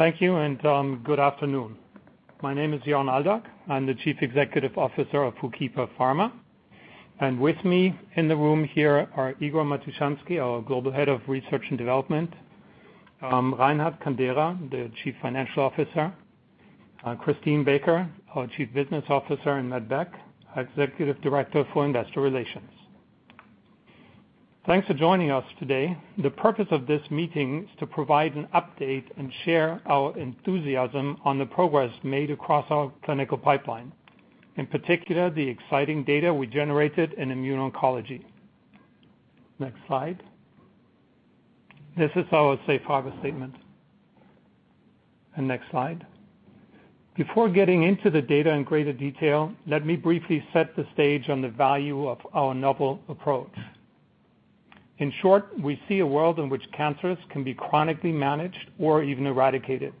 Thank you, and good afternoon. My name is Jörn Aldag. I'm the Chief Executive Officer of HOOKIPA Pharma. With me in the room here are Igor Matushansky, our Global Head of Research and Development, Reinhard Kandera, the Chief Financial Officer, Christine Baker, our Chief Business Officer, and Matt Beck, Executive Director for Investor Relations. Thanks for joining us today. The purpose of this meeting is to provide an update and share our enthusiasm on the progress made across our clinical pipeline, in particular, the exciting data we generated in immune oncology. Next slide. This is our safe harbor statement. Next slide. Before getting into the data in greater detail, let me briefly set the stage on the value of our novel approach. In short, we see a world in which cancers can be chronically managed or even eradicated.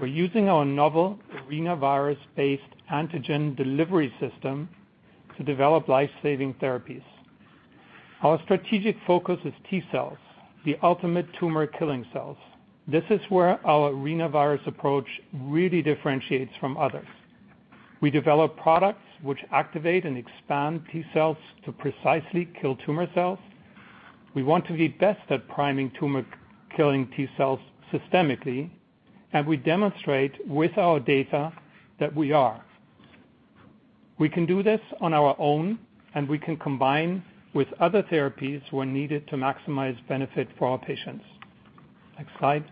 We're using our novel arenavirus-based antigen delivery system to develop life-saving therapies. Our strategic focus is T cells, the ultimate tumor killing cells. This is where our arenavirus approach really differentiates from others. We develop products which activate and expand T cells to precisely kill tumor cells. We want to be best at priming tumor killing T cells systemically, and we demonstrate with our data that we are. We can do this on our own, and we can combine with other therapies when needed to maximize benefit for our patients. Next slide.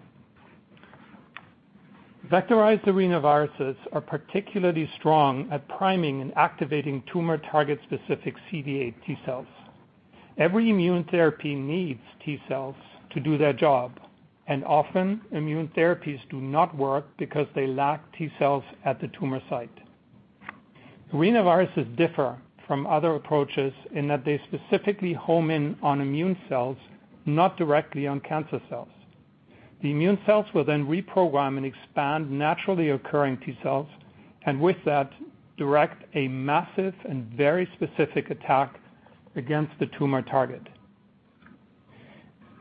Vectorized arenaviruses are particularly strong at priming and activating tumor target specific CD8 T cells. Every immune therapy needs T cells to do their job, and often immune therapies do not work because they lack T cells at the tumor site. Arenaviruses differ from other approaches in that they specifically home in on immune cells, not directly on cancer cells. The immune cells will then reprogram and expand naturally occurring T cells, and with that, direct a massive and very specific attack against the tumor target.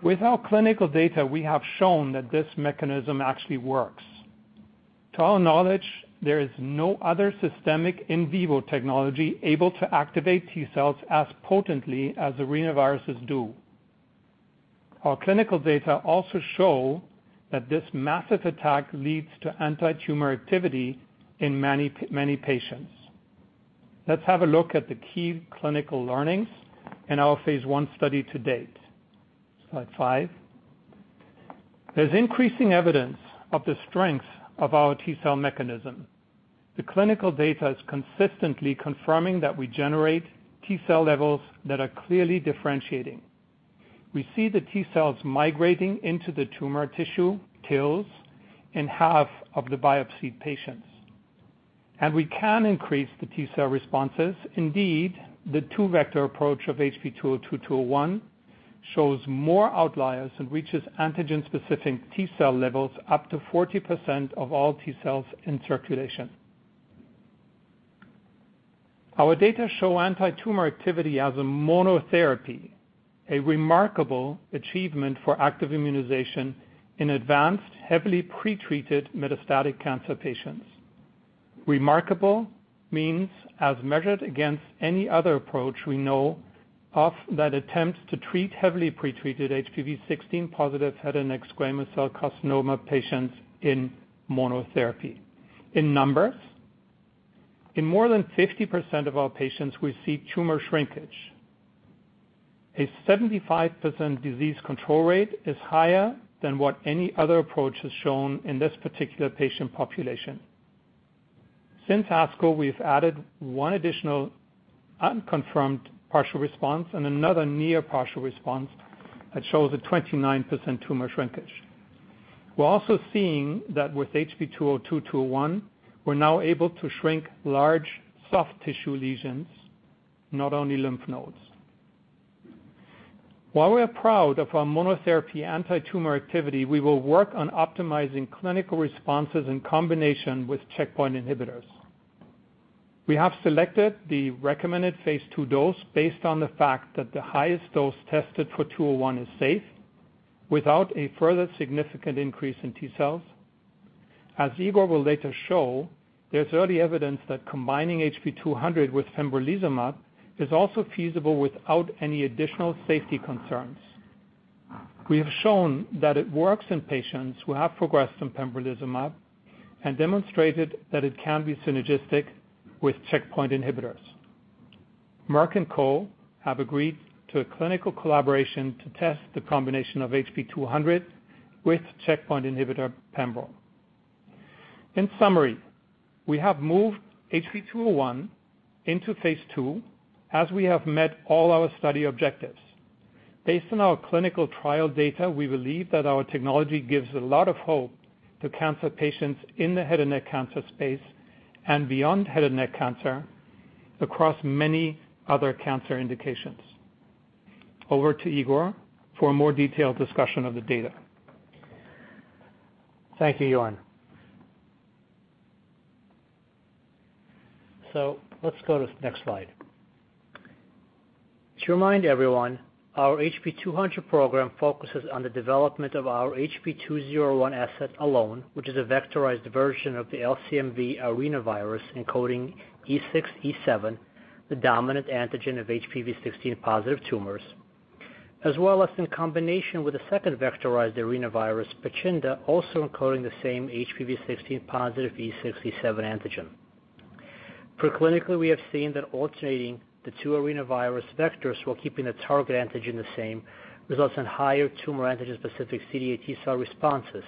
With our clinical data, we have shown that this mechanism actually works. To our knowledge, there is no other systemic in vivo technology able to activate T cells as potently as arenaviruses do. Our clinical data also show that this massive attack leads to antitumor activity in many patients. Let's have a look at the key clinical learnings in our phase I study to date. Slide five. There's increasing evidence of the strength of our T-cell mechanism. The clinical data is consistently confirming that we generate T cell levels that are clearly differentiating. We see the T cells migrating into the tumor tissue TILs in half of the biopsied patients. We can increase the T cell responses. Indeed, the two-vector approach of HB-202/HB-201 shows more outliers and reaches antigen-specific T cell levels up to 40% of all T cells in circulation. Our data show antitumor activity as a monotherapy, a remarkable achievement for active immunization in advanced, heavily pre-treated metastatic cancer patients. Remarkable means as measured against any other approach we know of that attempts to treat heavily pre-treated HPV16-positive head and neck squamous cell carcinoma patients in monotherapy. In numbers, in more than 50% of our patients, we see tumor shrinkage. A 75% disease control rate is higher than what any other approach has shown in this particular patient population. Since ASCO, we've added one additional unconfirmed partial response and another near partial response that shows a 29% tumor shrinkage. We're also seeing that with HB-202/HB-201, we're now able to shrink large soft tissue lesions, not only lymph nodes. While we are proud of our monotherapy antitumor activity, we will work on optimizing clinical responses in combination with checkpoint inhibitors. We have selected the recommended phase II dose based on the fact that the highest dose tested for HB-201 is safe, without a further significant increase in T cells. As Igor will later show, there's early evidence that combining HB-200 with pembrolizumab is also feasible without any additional safety concerns. We have shown that it works in patients who have progressed on pembrolizumab and demonstrated that it can be synergistic with checkpoint inhibitors. Merck & Co. has agreed to a clinical collaboration to test the combination of HB-200 with checkpoint inhibitor pembro. In summary, we have moved HB-201 into phase II as we have met all our study objectives. Based on our clinical trial data, we believe that our technology gives a lot of hope to cancer patients in the head and neck cancer space and beyond head and neck cancer, across many other cancer indications. Over to Igor for a more detailed discussion of the data. Thank you, Jörn. Let's go to the next slide. To remind everyone, our HB-200 program focuses on the development of our HB-201 asset alone, which is a vectorized version of the LCMV arenavirus encoding E6, E7, the dominant antigen of HPV-16 positive tumors, as well as in combination with a second vectorized arenavirus, Pichinde, also encoding the same HPV-16 positive E6, E7 antigen. Preclinically, we have seen that alternating the two arenavirus vectors while keeping the target antigen the same results in higher tumor antigen specific CD8 T cell responses,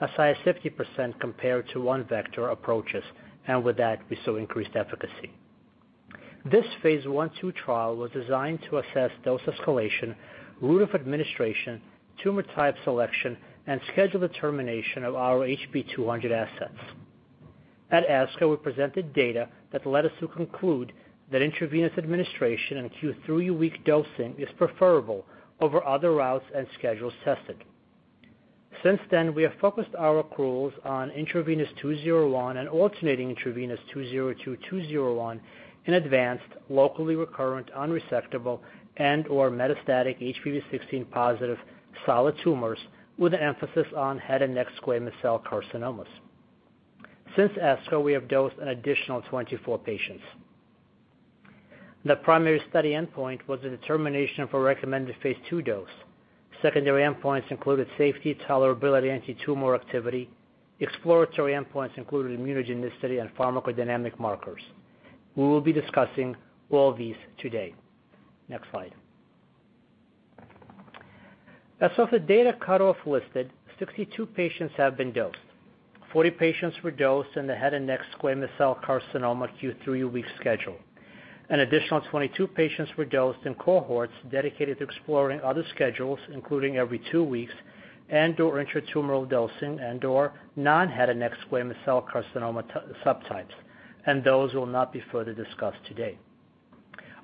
as high as 50% compared to one vector approaches, and with that we saw increased efficacy. This phase I/II trial was designed to assess dose escalation, route of administration, tumor type selection, and schedule determination of our HB-200 assets. At ASCO, we presented data that led us to conclude that intravenous administration and Q3W dosing is preferable over other routes and schedules tested. Since then, we have focused our accruals on intravenous HB-201 and alternating intravenous HB-202/HB-201 in advanced locally recurrent unresectable and/or metastatic HPV-16 positive solid tumors, with an emphasis on head and neck squamous cell carcinomas. Since ASCO, we have dosed an additional 24 patients. The primary study endpoint was a determination for recommended phase II dose. Secondary endpoints included safety, tolerability, anti-tumor activity. Exploratory endpoints included immunogenicity and pharmacodynamic markers. We will be discussing all these today. Next slide. As of the data cut-off listed, 62 patients have been dosed. 40 patients were dosed in the head and neck squamous cell carcinoma Q3W schedule. An additional 22 patients were dosed in cohorts dedicated to exploring other schedules, including every two weeks and/or intratumoral dosing and/or non-head and neck squamous cell carcinoma subtypes, and those will not be further discussed today.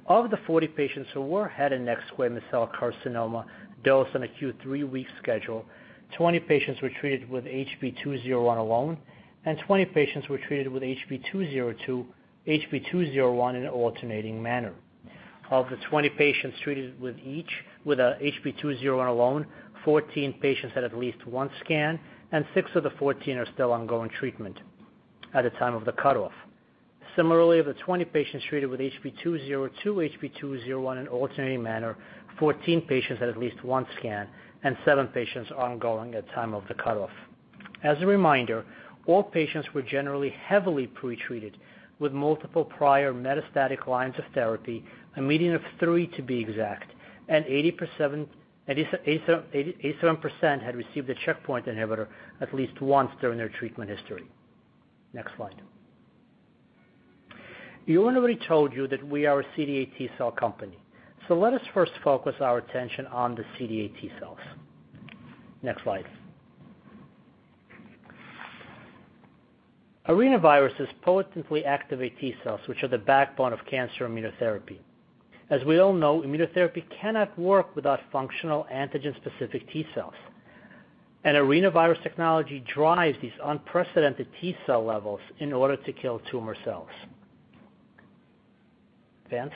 Of the 40 patients who were head and neck squamous cell carcinoma dosed in a Q3W schedule, 20 patients were treated with HB-201 alone, and 20 patients were treated with HB-202/HB-201 in an alternating manner. Of the 20 patients treated with HB-201 alone, 14 patients had at least one scan, and six of the 14 are still ongoing treatment at the time of the cut-off. Similarly, of the 20 patients treated with HB-202/HB-201 in alternating manner, 14 patients had at least one scan and seven patients are ongoing at time of the cut-off. As a reminder, all patients were generally heavily pre-treated with multiple prior metastatic lines of therapy, a median of three to be exact, and 88% had received a checkpoint inhibitor at least once during their treatment history. Next slide. Jörn already told you that we are a CD8 T cell company. Let us first focus our attention on the CD8 T cells. Next slide. Arenaviruses potently activate T cells, which are the backbone of cancer immunotherapy. As we all know, immunotherapy cannot work without functional antigen-specific T cells. An arenavirus technology drives these unprecedented T cell levels in order to kill tumor cells. Advance.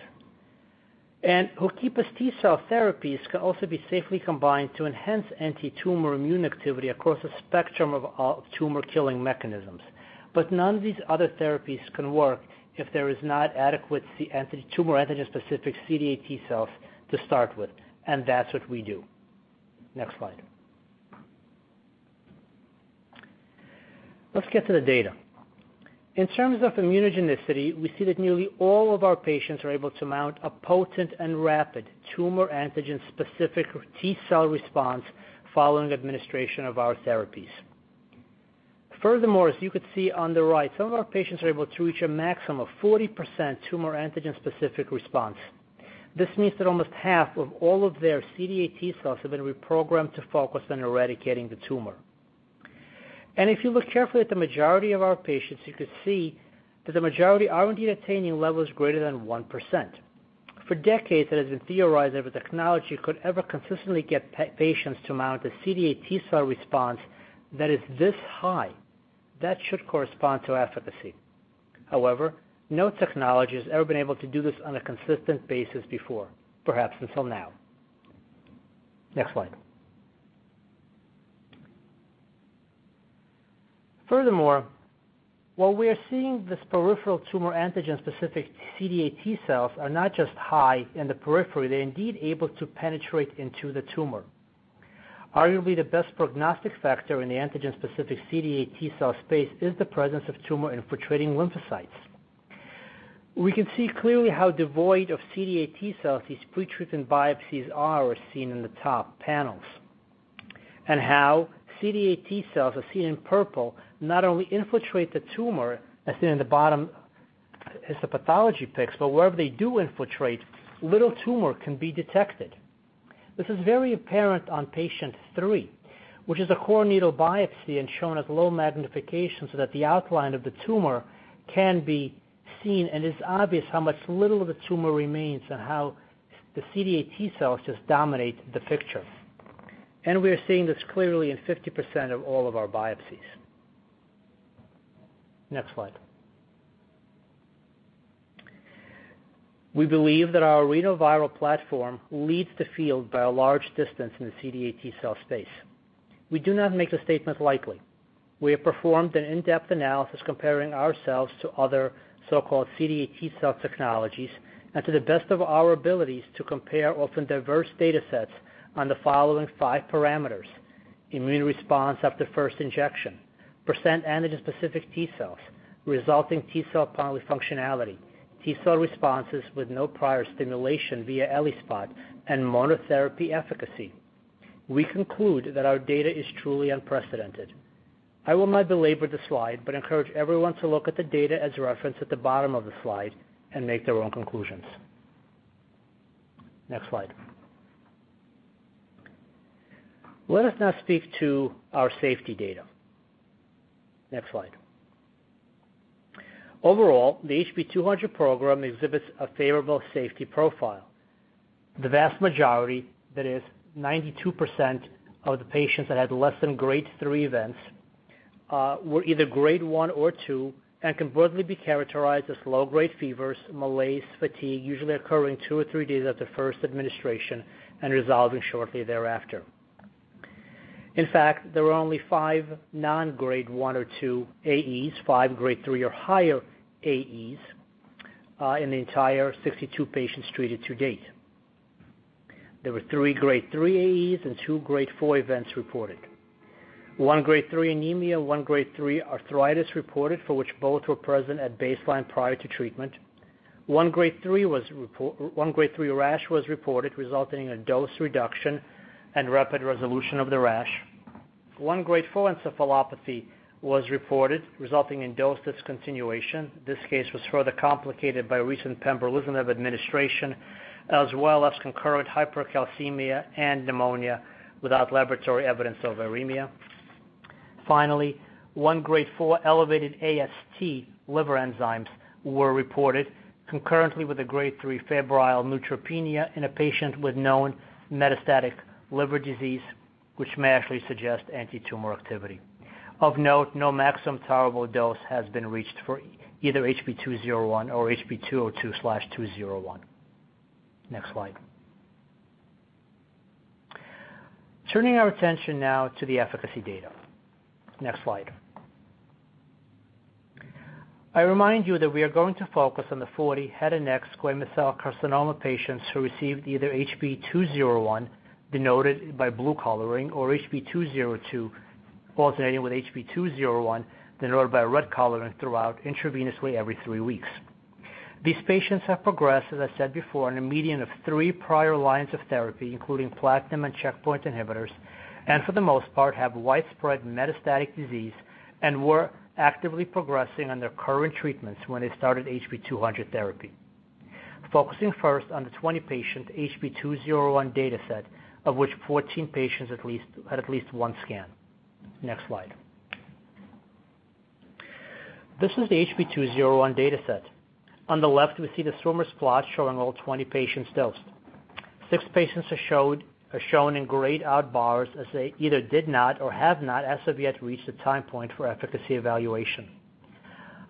HOOKIPA's T cell therapies can also be safely combined to enhance anti-tumor immune activity across a spectrum of tumor killing mechanisms. None of these other therapies can work if there is not adequate tumor antigen-specific CD8 T cells to start with, and that's what we do. Next slide. Let's get to the data. In terms of immunogenicity, we see that nearly all of our patients are able to mount a potent and rapid tumor antigen-specific T cell response following administration of our therapies. Furthermore, as you can see on the right, some of our patients are able to reach a maximum of 40% tumor antigen-specific response. This means that almost half of all of their CD8 T cells have been reprogrammed to focus on eradicating the tumor. If you look carefully at the majority of our patients, you can see that the majority are indeed attaining levels greater than 1%. For decades, it has been theorized that if a technology could ever consistently get patients to mount a CD8 T cell response that is this high, that should correspond to efficacy. However, no technology has ever been able to do this on a consistent basis before, perhaps until now. Next slide. Furthermore, while we are seeing this peripheral tumor antigen-specific CD8 T cells are not just high in the periphery, they're indeed able to penetrate into the tumor. Arguably, the best prognostic factor in the antigen-specific CD8 T cell space is the presence of tumor-infiltrating lymphocytes. We can see clearly how devoid of CD8 T cells these pretreatment biopsies are, as seen in the top panels, and how CD8 T cells are seen in purple not only infiltrate the tumor, as seen in the bottom histopathology pics, but wherever they do infiltrate, little tumor can be detected. This is very apparent on patient three, which is a core needle biopsy and shown at low magnification, so that the outline of the tumor can be seen and it's obvious how much little of the tumor remains and how the CD8 T cells just dominate the picture. We are seeing this clearly in 50% of all of our biopsies. Next slide. We believe that our arenaviral platform leads the field by a large distance in the CD8 T cell space. We do not make the statement lightly. We have performed an in-depth analysis comparing ourselves to other so-called CD8 T cell technologies and to the best of our abilities to compare often diverse data sets on the following five parameters. Immune response after first injection, percent antigen-specific T cells, resulting T cell polyfunctionality, T cell responses with no prior stimulation via ELISpot, and monotherapy efficacy. We conclude that our data is truly unprecedented. I will not belabor the slide, but encourage everyone to look at the data as referenced at the bottom of the slide and make their own conclusions. Next slide. Let us now speak to our safety data. Next slide. Overall, the HB-200 program exhibits a favorable safety profile. The vast majority, that is 92% of the patients that had less than grade 3 events, were either grade 1 or 2 and can broadly be characterized as low-grade fevers, malaise, fatigue, usually occurring 2 or 3 days after first administration and resolving shortly thereafter. In fact, there were only five non-grade 1 or 2 AEs, five grade 3 or higher AEs, in the entire 62 patients treated to date. There were three grade 3 AEs and two grade 4 events reported. One grade 3 anemia, one grade 3 arthritis reported, for which both were present at baseline prior to treatment. One grade 3 rash was reported, resulting in a dose reduction and rapid resolution of the rash. One grade 4 encephalopathy was reported, resulting in dose discontinuation. This case was further complicated by recent pembrolizumab administration, as well as concurrent hypercalcemia and pneumonia without laboratory evidence of viremia. Finally, one grade four elevated AST liver enzymes were reported concurrently with a grade three febrile neutropenia in a patient with known metastatic liver disease, which may actually suggest antitumor activity. Of note, no maximum tolerable dose has been reached for either HB-201 or HB-202/HB-201. Next slide. Turning our attention now to the efficacy data. Next slide. I remind you that we are going to focus on the 40 head and neck squamous cell carcinoma patients who received either HB-201, denoted by blue coloring, or HB-202, alternating with HB-201, denoted by red coloring throughout intravenously every three weeks. These patients have progressed, as I said before, in a median of three prior lines of therapy, including platinum and checkpoint inhibitors, and for the most part, have widespread metastatic disease and were actively progressing on their current treatments when they started HB-200 therapy. Focusing first on the 20-patient HB-201 data set, of which 14 patients had at least one scan. Next slide. This is the HB-201 data set. On the left, we see the swimmer's plot showing all 20 patients dosed. six patients are shown in grayed out bars as they either did not or have not as of yet reached a time point for efficacy evaluation.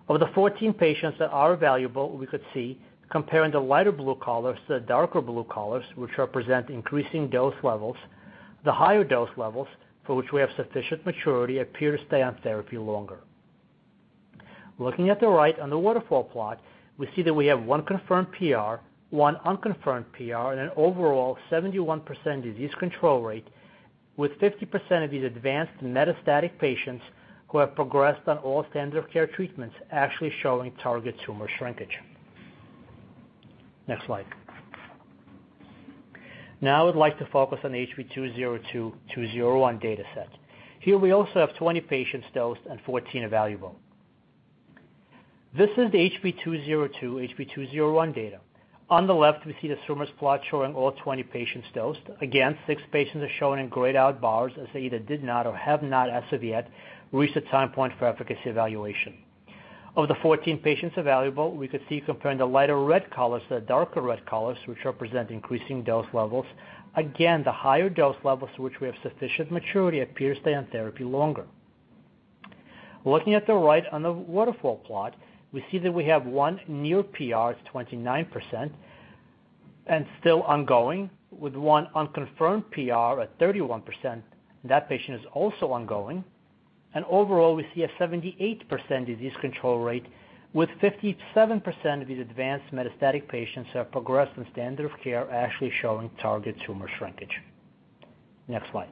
Of the 14 patients that are evaluable, we could see, comparing the lighter blue colors to the darker blue colors, which represent increasing dose levels, the higher dose levels, for which we have sufficient maturity, appear to stay on therapy longer. Looking at the right on the waterfall plot, we see that we have one confirmed PR, one unconfirmed PR, and an overall 71% disease control rate, with 50% of these advanced metastatic patients who have progressed on all standard of care treatments actually showing target tumor shrinkage. Next slide. Now I would like to focus on HB-202/HB-201 data set. Here we also have 20 patients dosed and 14 evaluable. This is the HB-202/HB-201 data. On the left, we see the swimmer's plot showing all 20 patients dosed. Again, six patients are shown in grayed out bars as they either did not or have not as of yet reached a time point for efficacy evaluation. Of the 14 patients evaluable, we could see comparing the lighter red colors to the darker red colors, which represent increasing dose levels, again, the higher dose levels to which we have sufficient maturity appear to stay on therapy longer. Looking at the right on the waterfall plot, we see that we have one near PR at 29% and still ongoing, with one unconfirmed PR at 31%. That patient is also ongoing. Overall, we see a 78% disease control rate with 57% of these advanced metastatic patients who have progressed on standard of care actually showing target tumor shrinkage. Next slide.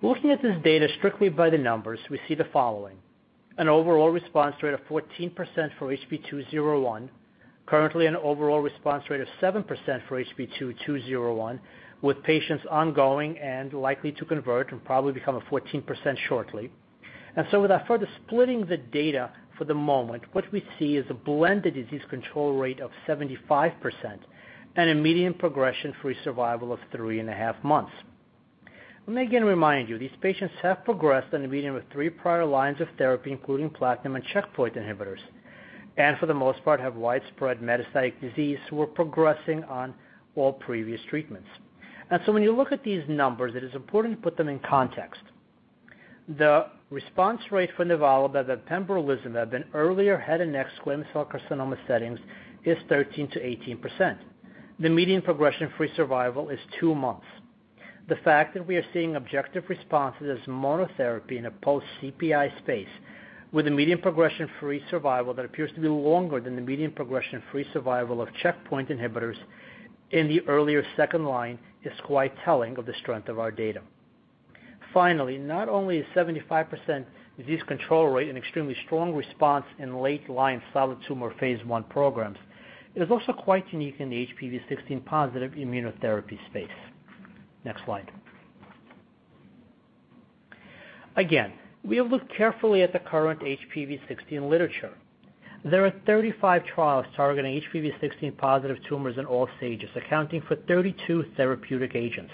Looking at this data strictly by the numbers, we see the following. An overall response rate of 14% for HB-201. Currently an overall response rate of 7% for HB-202, with patients ongoing and likely to convert and probably become a 14% shortly. Without further splitting the data for the moment, what we see is a blended disease control rate of 75% and a median progression-free survival of three and a half months. Let me again remind you, these patients have progressed on a median of three prior lines of therapy, including platinum and checkpoint inhibitors, and for the most part, have widespread metastatic disease who are progressing on all previous treatments. When you look at these numbers, it is important to put them in context. The response rate for nivolumab and pembrolizumab in earlier head and neck squamous cell carcinoma settings is 13% to18%. The median progression-free survival is two months. The fact that we are seeing objective responses as monotherapy in a post-CPI space with a median progression-free survival that appears to be longer than the median progression-free survival of checkpoint inhibitors in the earlier second line is quite telling of the strength of our data. Finally, not only is 75% disease control rate an extremely strong response in late-line solid tumor phase I programs, it is also quite unique in the HPV-16 positive immunotherapy space. Next slide. Again, we have looked carefully at the current HPV-16 literature. There are 35 trials targeting HPV-16 positive tumors in all stages, accounting for 32 therapeutic agents.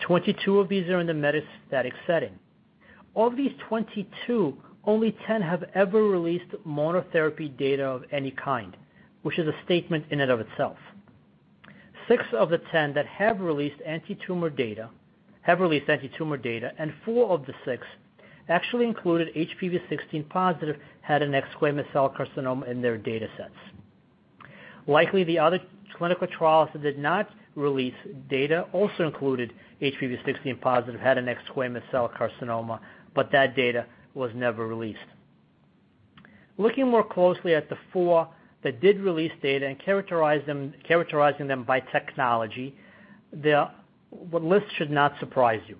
22 of these are in the metastatic setting. Of these 22, only 10 have ever released monotherapy data of any kind, which is a statement in and of itself. Six of the 10 that have released antitumor data, and four of the six actually included HPV-16 positive head and neck squamous cell carcinoma in their datasets. Likely, the other clinical trials that did not release data also included HPV-16 positive head and neck squamous cell carcinoma, but that data was never released. Looking more closely at the four that did release data and characterize them by technology, the list should not surprise you.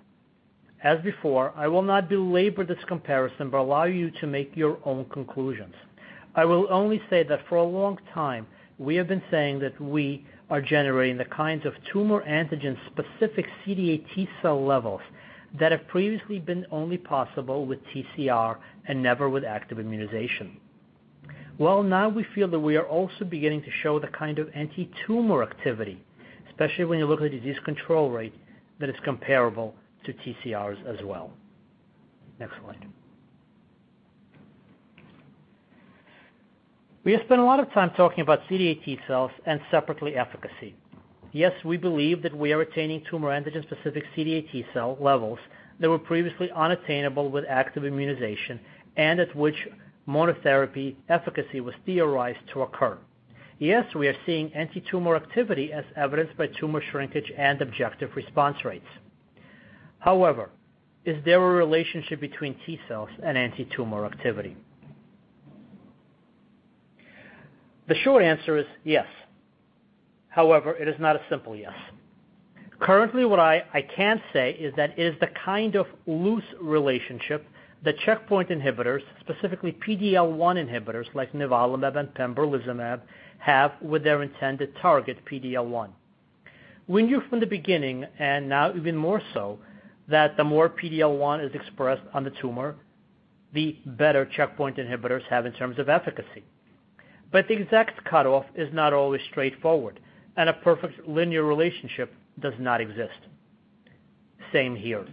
As before, I will not belabor this comparison, but allow you to make your own conclusions. I will only say that for a long time, we have been saying that we are generating the kinds of tumor antigen specific CD8 T cell levels that have previously been only possible with TCR and never with active immunization. Well, now we feel that we are also beginning to show the kind of antitumor activity, especially when you look at the disease control rate, that is comparable to TCRs as well. Next slide. We have spent a lot of time talking about CD8 T cells and separately efficacy. Yes, we believe that we are attaining tumor antigen-specific CD8 T cell levels that were previously unattainable with active immunization and at which monotherapy efficacy was theorized to occur. Yes, we are seeing antitumor activity as evidenced by tumor shrinkage and objective response rates. However, is there a relationship between T cells and antitumor activity? The short answer is yes. However, it is not a simple yes. Currently, what I can say is that it is the kind of loose relationship that checkpoint inhibitors, specifically PD-L1 inhibitors like nivolumab and pembrolizumab, have with their intended target, PD-L1. We knew from the beginning, and now even more so, that the more PD-L1 is expressed on the tumor, the better checkpoint inhibitors have in terms of efficacy. The exact cut-off is not always straightforward, and a perfect linear relationship does not exist. Same here.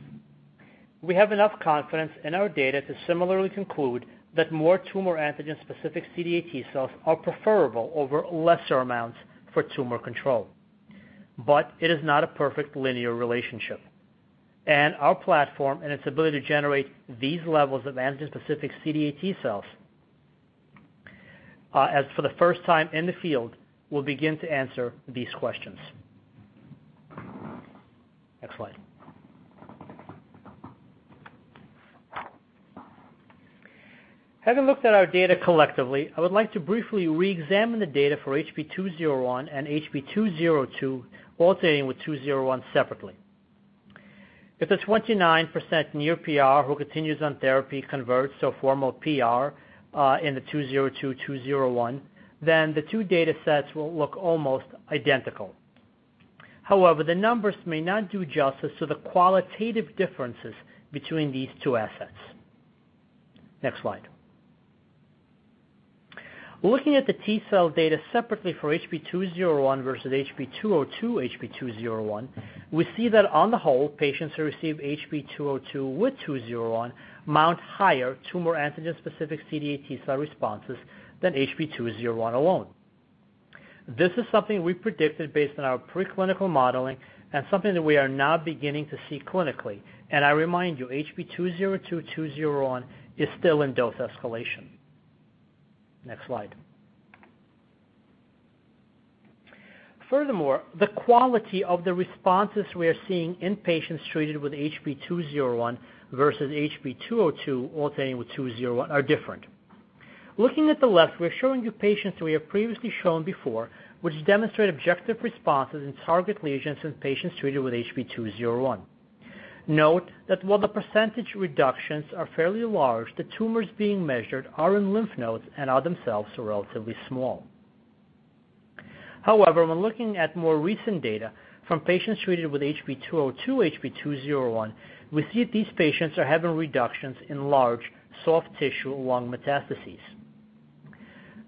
We have enough confidence in our data to similarly conclude that more tumor antigen-specific CD8 T cells are preferable over lesser amounts for tumor control. It is not a perfect linear relationship. Our platform and its ability to generate these levels of antigen-specific CD8 T cells, as for the first time in the field, will begin to answer these questions. Next slide. Having looked at our data collectively, I would like to briefly reexamine the data for HB-201 and HB-202, alternating with HB-201 separately. If the 29% near PR who continues on therapy converts to a formal PR in the HB-202/HB-201, then the two datasets will look almost identical. However, the numbers may not do justice to the qualitative differences between these two assets. Next slide. Looking at the T cell data separately for HB-201 versus HB-202/HB-201, we see that on the whole, patients who receive HB-202 with HB-201 mount higher tumor antigen-specific CD8 T cell responses than HB-201 alone. This is something we predicted based on our preclinical modeling and something that we are now beginning to see clinically. I remind you, HB-202/HB-201 is still in dose escalation. Next slide. Furthermore, the quality of the responses we are seeing in patients treated with HB-201 versus HB-202 alternating with HB-201 are different. Looking at the left, we are showing you patients we have previously shown before, which demonstrate objective responses in target lesions in patients treated with HB-201. Note that while the percentage reductions are fairly large, the tumors being measured are in lymph nodes and are themselves relatively small. However, when looking at more recent data from patients treated with HB-202/HB-201, we see these patients are having reductions in large soft tissue lung metastases.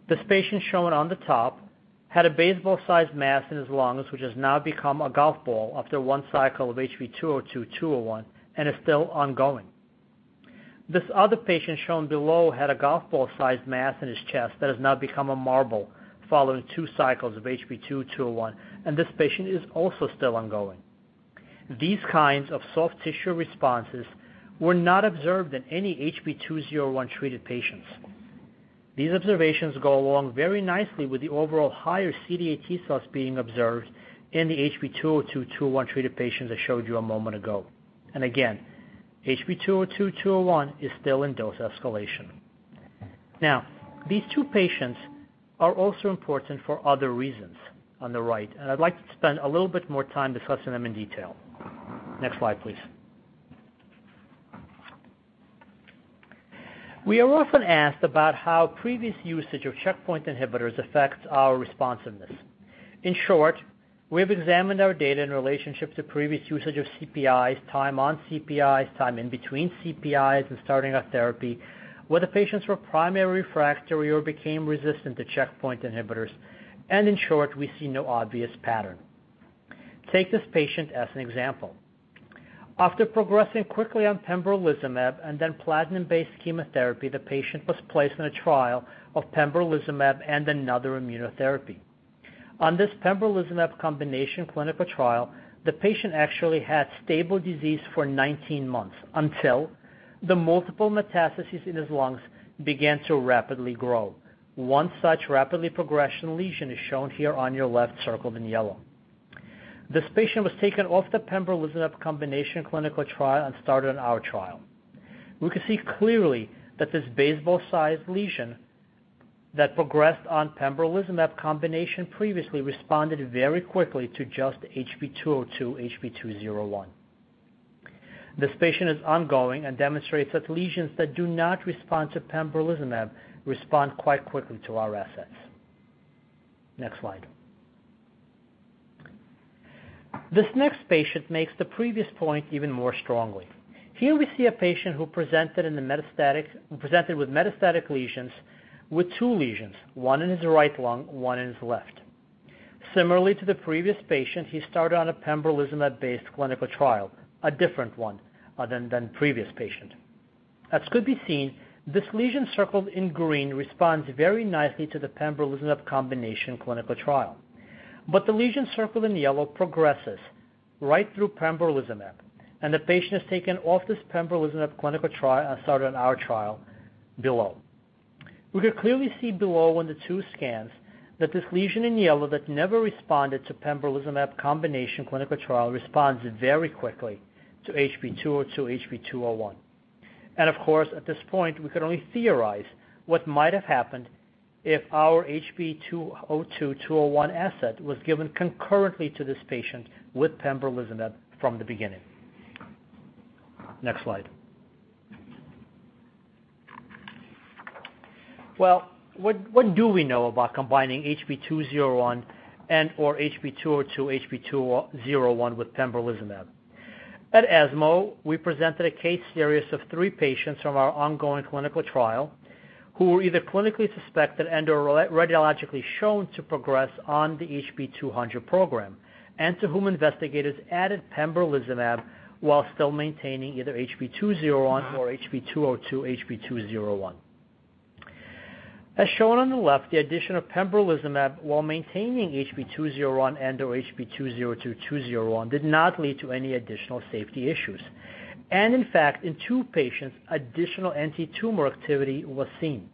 This patient shown on the top had a baseball-sized mass in his lungs, which has now become a golf ball after one cycle of HB-202/HB-201 and is still ongoing. This other patient shown below had a golf ball-sized mass in his chest that has now become a marble following two cycles of HB-202/HB-201, and this patient is also still ongoing. These kinds of soft tissue responses were not observed in any HB-201 treated patients. These observations go along very nicely with the overall higher CD8 T cells being observed in the HB-202/HB-201 treated patients I showed you a moment ago. Again, HB-202/HB-201 is still in dose escalation. Now, these two patients are also important for other reasons on the right, and I'd like to spend a little bit more time discussing them in detail. Next slide, please. We are often asked about how previous usage of checkpoint inhibitors affects our responsiveness. In short, we have examined our data in relationship to previous usage of CPIs, time on CPIs, time in between CPIs, and starting our therapy, whether patients were primary refractory or became resistant to checkpoint inhibitors. In short, we see no obvious pattern. Take this patient as an example. After progressing quickly on pembrolizumab and then platinum-based chemotherapy, the patient was placed on a trial of pembrolizumab and another immunotherapy. On this pembrolizumab combination clinical trial, the patient actually had stable disease for 19 months until the multiple metastases in his lungs began to rapidly grow. One such rapidly progressing lesion is shown here on your left, circled in yellow. This patient was taken off the pembrolizumab combination clinical trial and started on our trial. We could see clearly that this baseball-sized lesion that progressed on pembrolizumab combination previously responded very quickly to just HB-202/HB-201. This patient is ongoing and demonstrates that lesions that do not respond to pembrolizumab respond quite quickly to our assets. Next slide. This next patient makes the previous point even more strongly. Here we see a patient who presented with metastatic lesions, with two lesions, one in his right lung, one in his left. Similarly to the previous patient, he started on a pembrolizumab-based clinical trial, a different one than previous patient. As could be seen, this lesion circled in green responds very nicely to the pembrolizumab combination clinical trial. The lesion circled in yellow progresses right through pembrolizumab, and the patient is taken off this pembrolizumab clinical trial and started our trial below. We can clearly see below in the two scans that this lesion in yellow that never responded to pembrolizumab combination clinical trial responds very quickly to HB-202/HB-201. Of course, at this point, we could only theorize what might have happened if our HB-202/HB-201 asset was given concurrently to this patient with pembrolizumab from the beginning. Next slide. What do we know about combining HB-201 and/or HB-202/HB-201 with pembrolizumab? At ESMO, we presented a case series of three patients from our ongoing clinical trial who were either clinically suspected and/or radiologically shown to progress on the HB-200 program and to whom investigators added pembrolizumab while still maintaining either HB-201 or HB-202/HB-201. As shown on the left, the addition of pembrolizumab while maintaining HB-201 and/or HB-202/HB-201 did not lead to any additional safety issues. In fact, in two patients, additional antitumor activity was seen.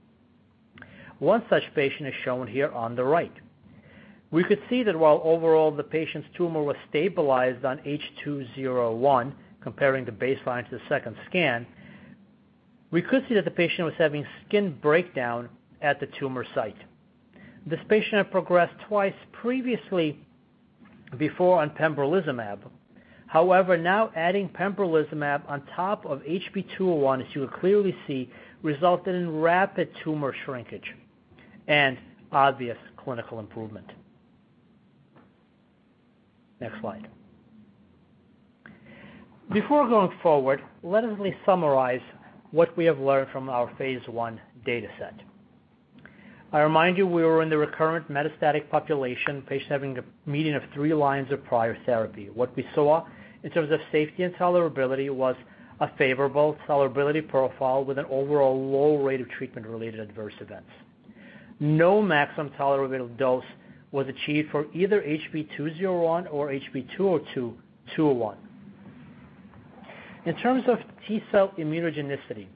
One such patient is shown here on the right. We could see that while overall the patient's tumor was stabilized on HB-201, comparing the baseline to the second scan, we could see that the patient was having skin breakdown at the tumor site. This patient had progressed twice previously before on pembrolizumab. However, now adding pembrolizumab on top of HB-201, as you'll clearly see, resulted in rapid tumor shrinkage and obvious clinical improvement. Next slide. Before going forward, let us please summarize what we have learned from our phase I data set. I remind you, we were in the recurrent metastatic population, patients having a median of three lines of prior therapy. What we saw in terms of safety and tolerability was a favorable tolerability profile with an overall low rate of treatment-related adverse events. No maximum tolerable dose was achieved for either HB-201 or HB-202. In terms of T-cell immunogenicity,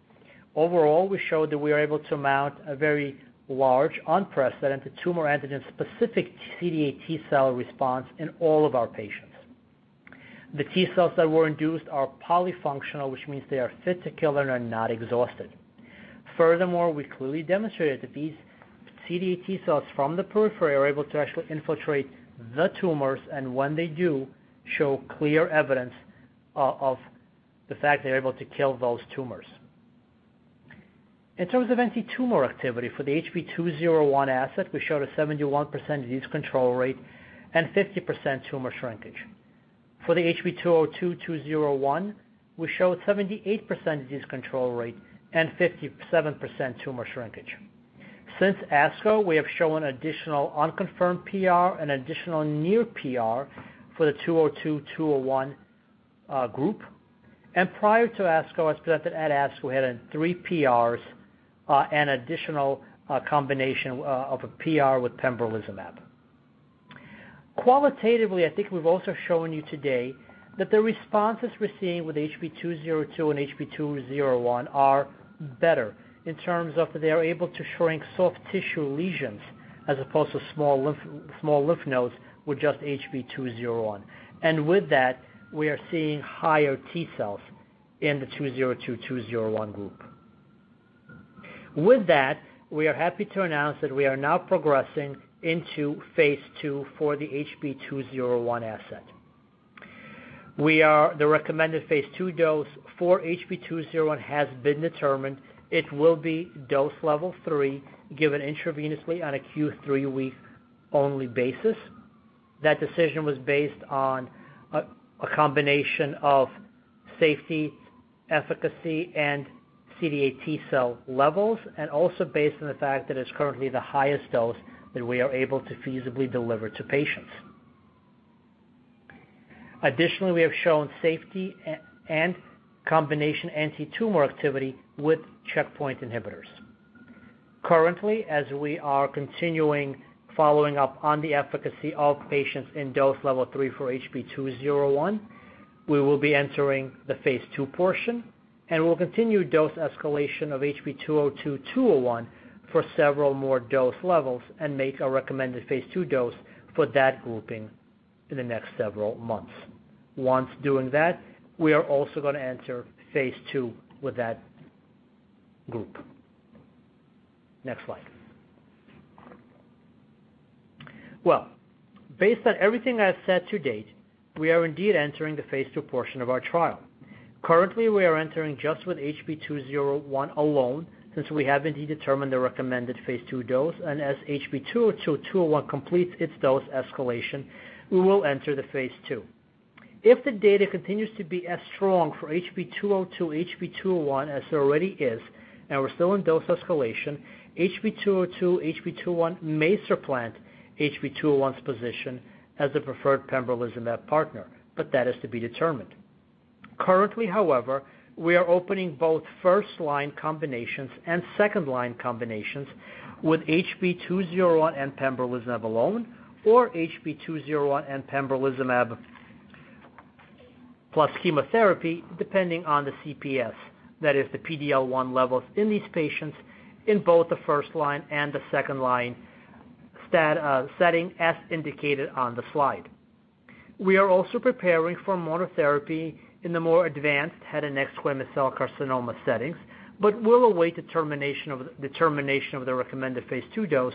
overall, we showed that we are able to mount a very large unprecedented tumor antigen-specific CD8 T-cell response in all of our patients. The T cells that were induced are polyfunctional, which means they are fit to kill and are not exhausted. Furthermore, we clearly demonstrated that these CD8 T cells from the periphery are able to actually infiltrate the tumors, and when they do, show clear evidence of the fact they're able to kill those tumors. In terms of antitumor activity for the HB-201 asset, we showed a 71% disease control rate and 50% tumor shrinkage. For the HB-202/201, we showed a 78% disease control rate and 57% tumor shrinkage. Since ASCO, we have shown additional unconfirmed PR and additional near PR for the 202/201 group. Prior to ASCO, as presented at ASCO, we had three PRs and additional combination of a PR with pembrolizumab. Qualitatively, I think we've also shown you today that the responses we're seeing with HB-202 and HB-201 are better in terms of they are able to shrink soft tissue lesions as opposed to small lymph nodes with just HB-201. With that, we are seeing higher T cells in the HB-202/HB-201 group. With that, we are happy to announce that we are now progressing into phase II for the HB-201 asset. The recommended phase II dose for HB-201 has been determined. It will be dose level 3, given intravenously on a Q3W only basis. That decision was based on a combination of safety, efficacy, and CD8 T-cell levels, and also based on the fact that it's currently the highest dose that we are able to feasibly deliver to patients. Additionally, we have shown safety and combination antitumor activity with checkpoint inhibitors. Currently, as we are continuing following up on the efficacy of patients in dose level 3 for HB-201, we will be entering the phase II portion, and we'll continue dose escalation of HB-202/HB-201 for several more dose levels and make a recommended phase II dose for that grouping in the next several months. Once doing that, we are also gonna enter phase II with that group. Next slide. Well, based on everything I've said to date, we are indeed entering the phase II portion of our trial. Currently, we are entering just with HB-201 alone, since we haven't determined the recommended phase II dose. As HB-202/HB-201 completes its dose escalation, we will enter the phase II. If the data continues to be as strong for HB-202/HB-201 as it already is, and we're still in dose escalation, HB-202/HB-201 may supplant HB-201's position as the preferred pembrolizumab partner, but that is to be determined. Currently, however, we are opening both first line combinations and second line combinations with HB-201 and pembrolizumab alone or HB-201 and pembrolizumab plus chemotherapy, depending on the CPS. That is the PD-L1 levels in these patients in both the first line and the second line setting as indicated on the slide. We are also preparing for monotherapy in the more advanced head and neck squamous cell carcinoma settings, but we'll await the termination of the determination of the recommended phase II dose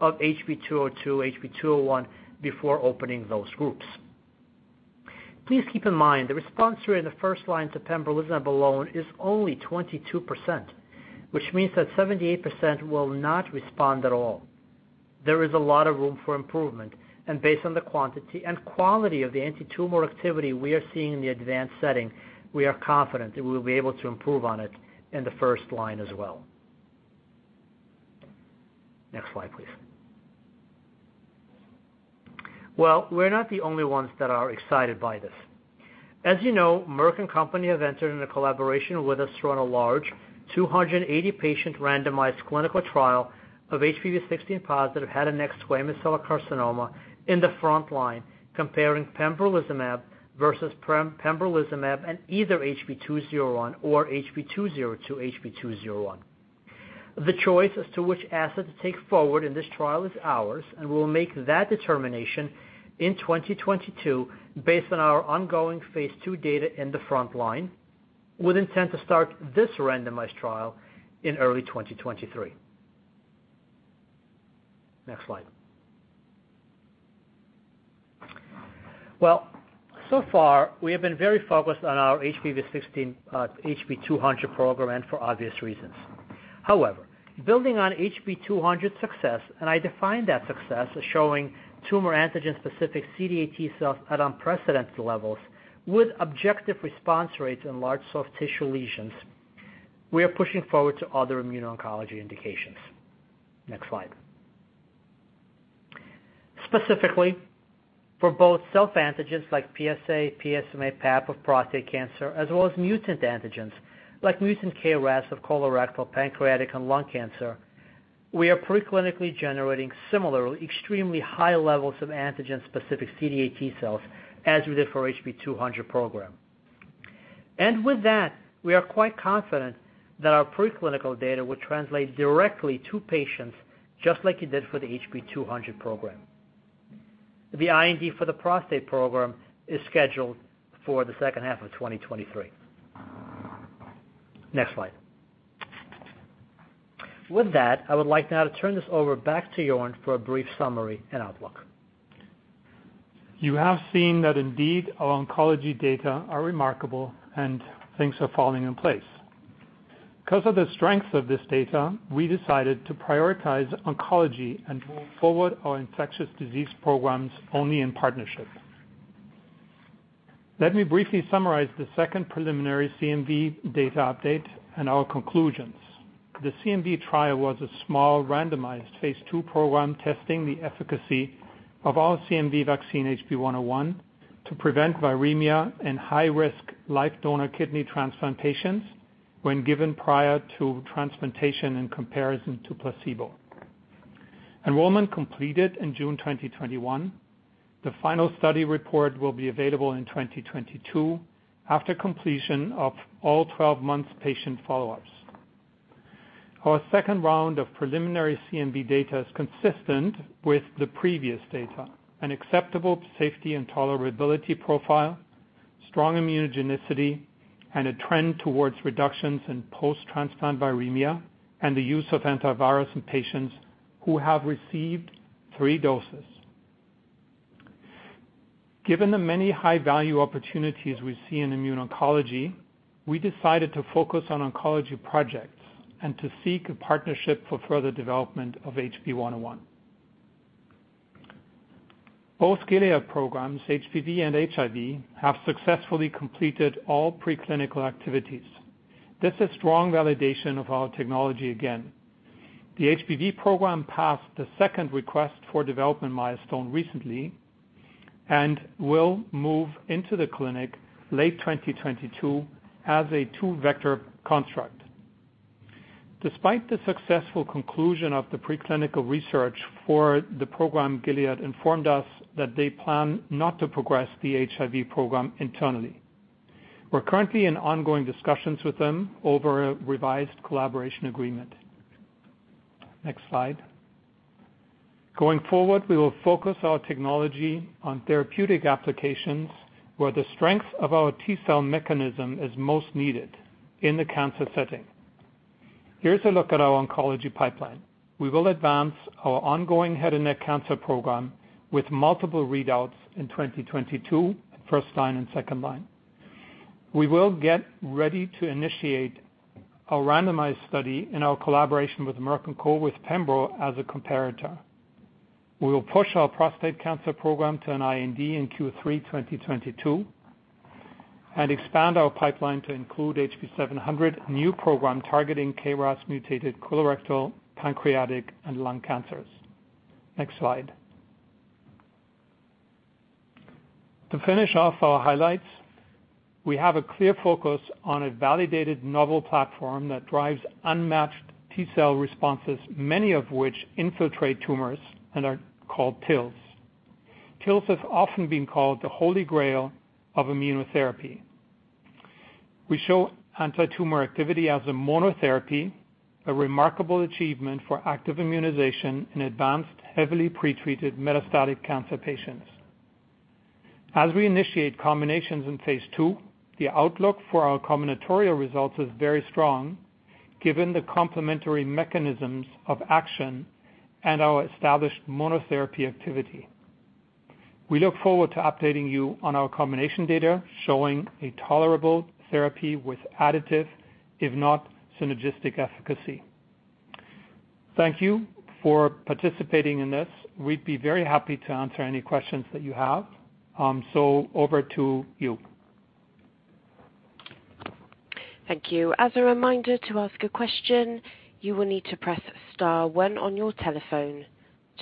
of HB-202/HB-201 before opening those groups. Please keep in mind, the response rate in the first line to pembrolizumab alone is only 22%, which means that 78% will not respond at all. There is a lot of room for improvement, and based on the quantity and quality of the antitumor activity we are seeing in the advanced setting, we are confident that we will be able to improve on it in the first line as well. Next slide, please. Well, we're not the only ones that are excited by this. As you know, Merck & Co have entered in a collaboration with us to run a large 280-patient randomized clinical trial of HPV-16-positive head and neck squamous cell carcinoma in the frontline, comparing pembrolizumab versus pembrolizumab and either HB-201 or HB-202/HB-201. The choice as to which asset to take forward in this trial is ours, and we'll make that determination in 2022 based on our ongoing phase II data in the frontline, with intent to start this randomized trial in early 2023. Next slide. Well, so far we have been very focused on our HPV-16, HB-200 program and for obvious reasons. However, building on HB-200 success, and I define that success as showing tumor antigen specific CD8 T cells at unprecedented levels with objective response rates in large soft tissue lesions, we are pushing forward to other immuno-oncology indications. Next slide. Specifically, for both self-antigens like PSA, PSMA, PAP of prostate cancer, as well as mutant antigens like mutant KRAS of colorectal, pancreatic, and lung cancer, we are pre-clinically generating similar extremely high levels of antigen-specific CD8 T cells, as we did for HB-200 program. With that, we are quite confident that our preclinical data will translate directly to patients, just like it did for the HB-200 program. The IND for the prostate program is scheduled for the second half of 2023. Next slide. With that, I would like now to turn this over back to Jörn for a brief summary and outlook. You have seen that indeed our oncology data are remarkable and things are falling in place. Because of the strength of this data, we decided to prioritize oncology and move forward our infectious disease programs only in partnership. Let me briefly summarize the second preliminary CMV data update and our conclusions. The CMV trial was a small randomized phase II program testing the efficacy of our CMV vaccine, HB-101, to prevent viremia in high-risk living donor kidney transplant patients when given prior to transplantation in comparison to placebo. Enrollment completed in June 2021. The final study report will be available in 2022 after completion of all 12 months patient follow-ups. Our second round of preliminary CMV data is consistent with the previous data, an acceptable safety and tolerability profile, strong immunogenicity, and a trend towards reductions in post-transplant viremia and the use of antivirals in patients who have received three doses. Given the many high-value opportunities we see in immuno-oncology, we decided to focus on oncology projects and to seek a partnership for further development of HB-101. Both Gilead programs, HPV and HIV, have successfully completed all preclinical activities. This is strong validation of our technology again. The HPV program passed the second request for development milestone recently and will move into the clinic late 2022 as a two-vector construct. Despite the successful conclusion of the preclinical research for the program, Gilead informed us that they plan not to progress the HIV program internally. We're currently in ongoing discussions with them over a revised collaboration agreement. Next slide. Going forward, we will focus our technology on therapeutic applications where the strength of our T-cell mechanism is most needed, in the cancer setting. Here's a look at our oncology pipeline. We will advance our ongoing head and neck cancer program with multiple readouts in 2022, first line and second line. We will get ready to initiate a randomized study in our collaboration with Merck & Co with pembro as a comparator. We will push our prostate cancer program to an IND in Q3 2022 and expand our pipeline to include HB-700, a new program targeting KRAS-mutated colorectal, pancreatic, and lung cancers. Next slide. To finish off our highlights, we have a clear focus on a validated novel platform that drives unmatched T-cell responses, many of which infiltrate tumors and are called TILs. TILs has often been called the holy grail of immunotherapy. We show antitumor activity as a monotherapy, a remarkable achievement for active immunization in advanced, heavily pretreated metastatic cancer patients. As we initiate combinations in phase II, the outlook for our combinatorial results is very strong, given the complementary mechanisms of action and our established monotherapy activity. We look forward to updating you on our combination data, showing a tolerable therapy with additive, if not synergistic efficacy. Thank you for participating in this. We'd be very happy to answer any questions that you have. Over to you. Thank you. As a reminder, to ask a question, you will need to press star one on your telephone.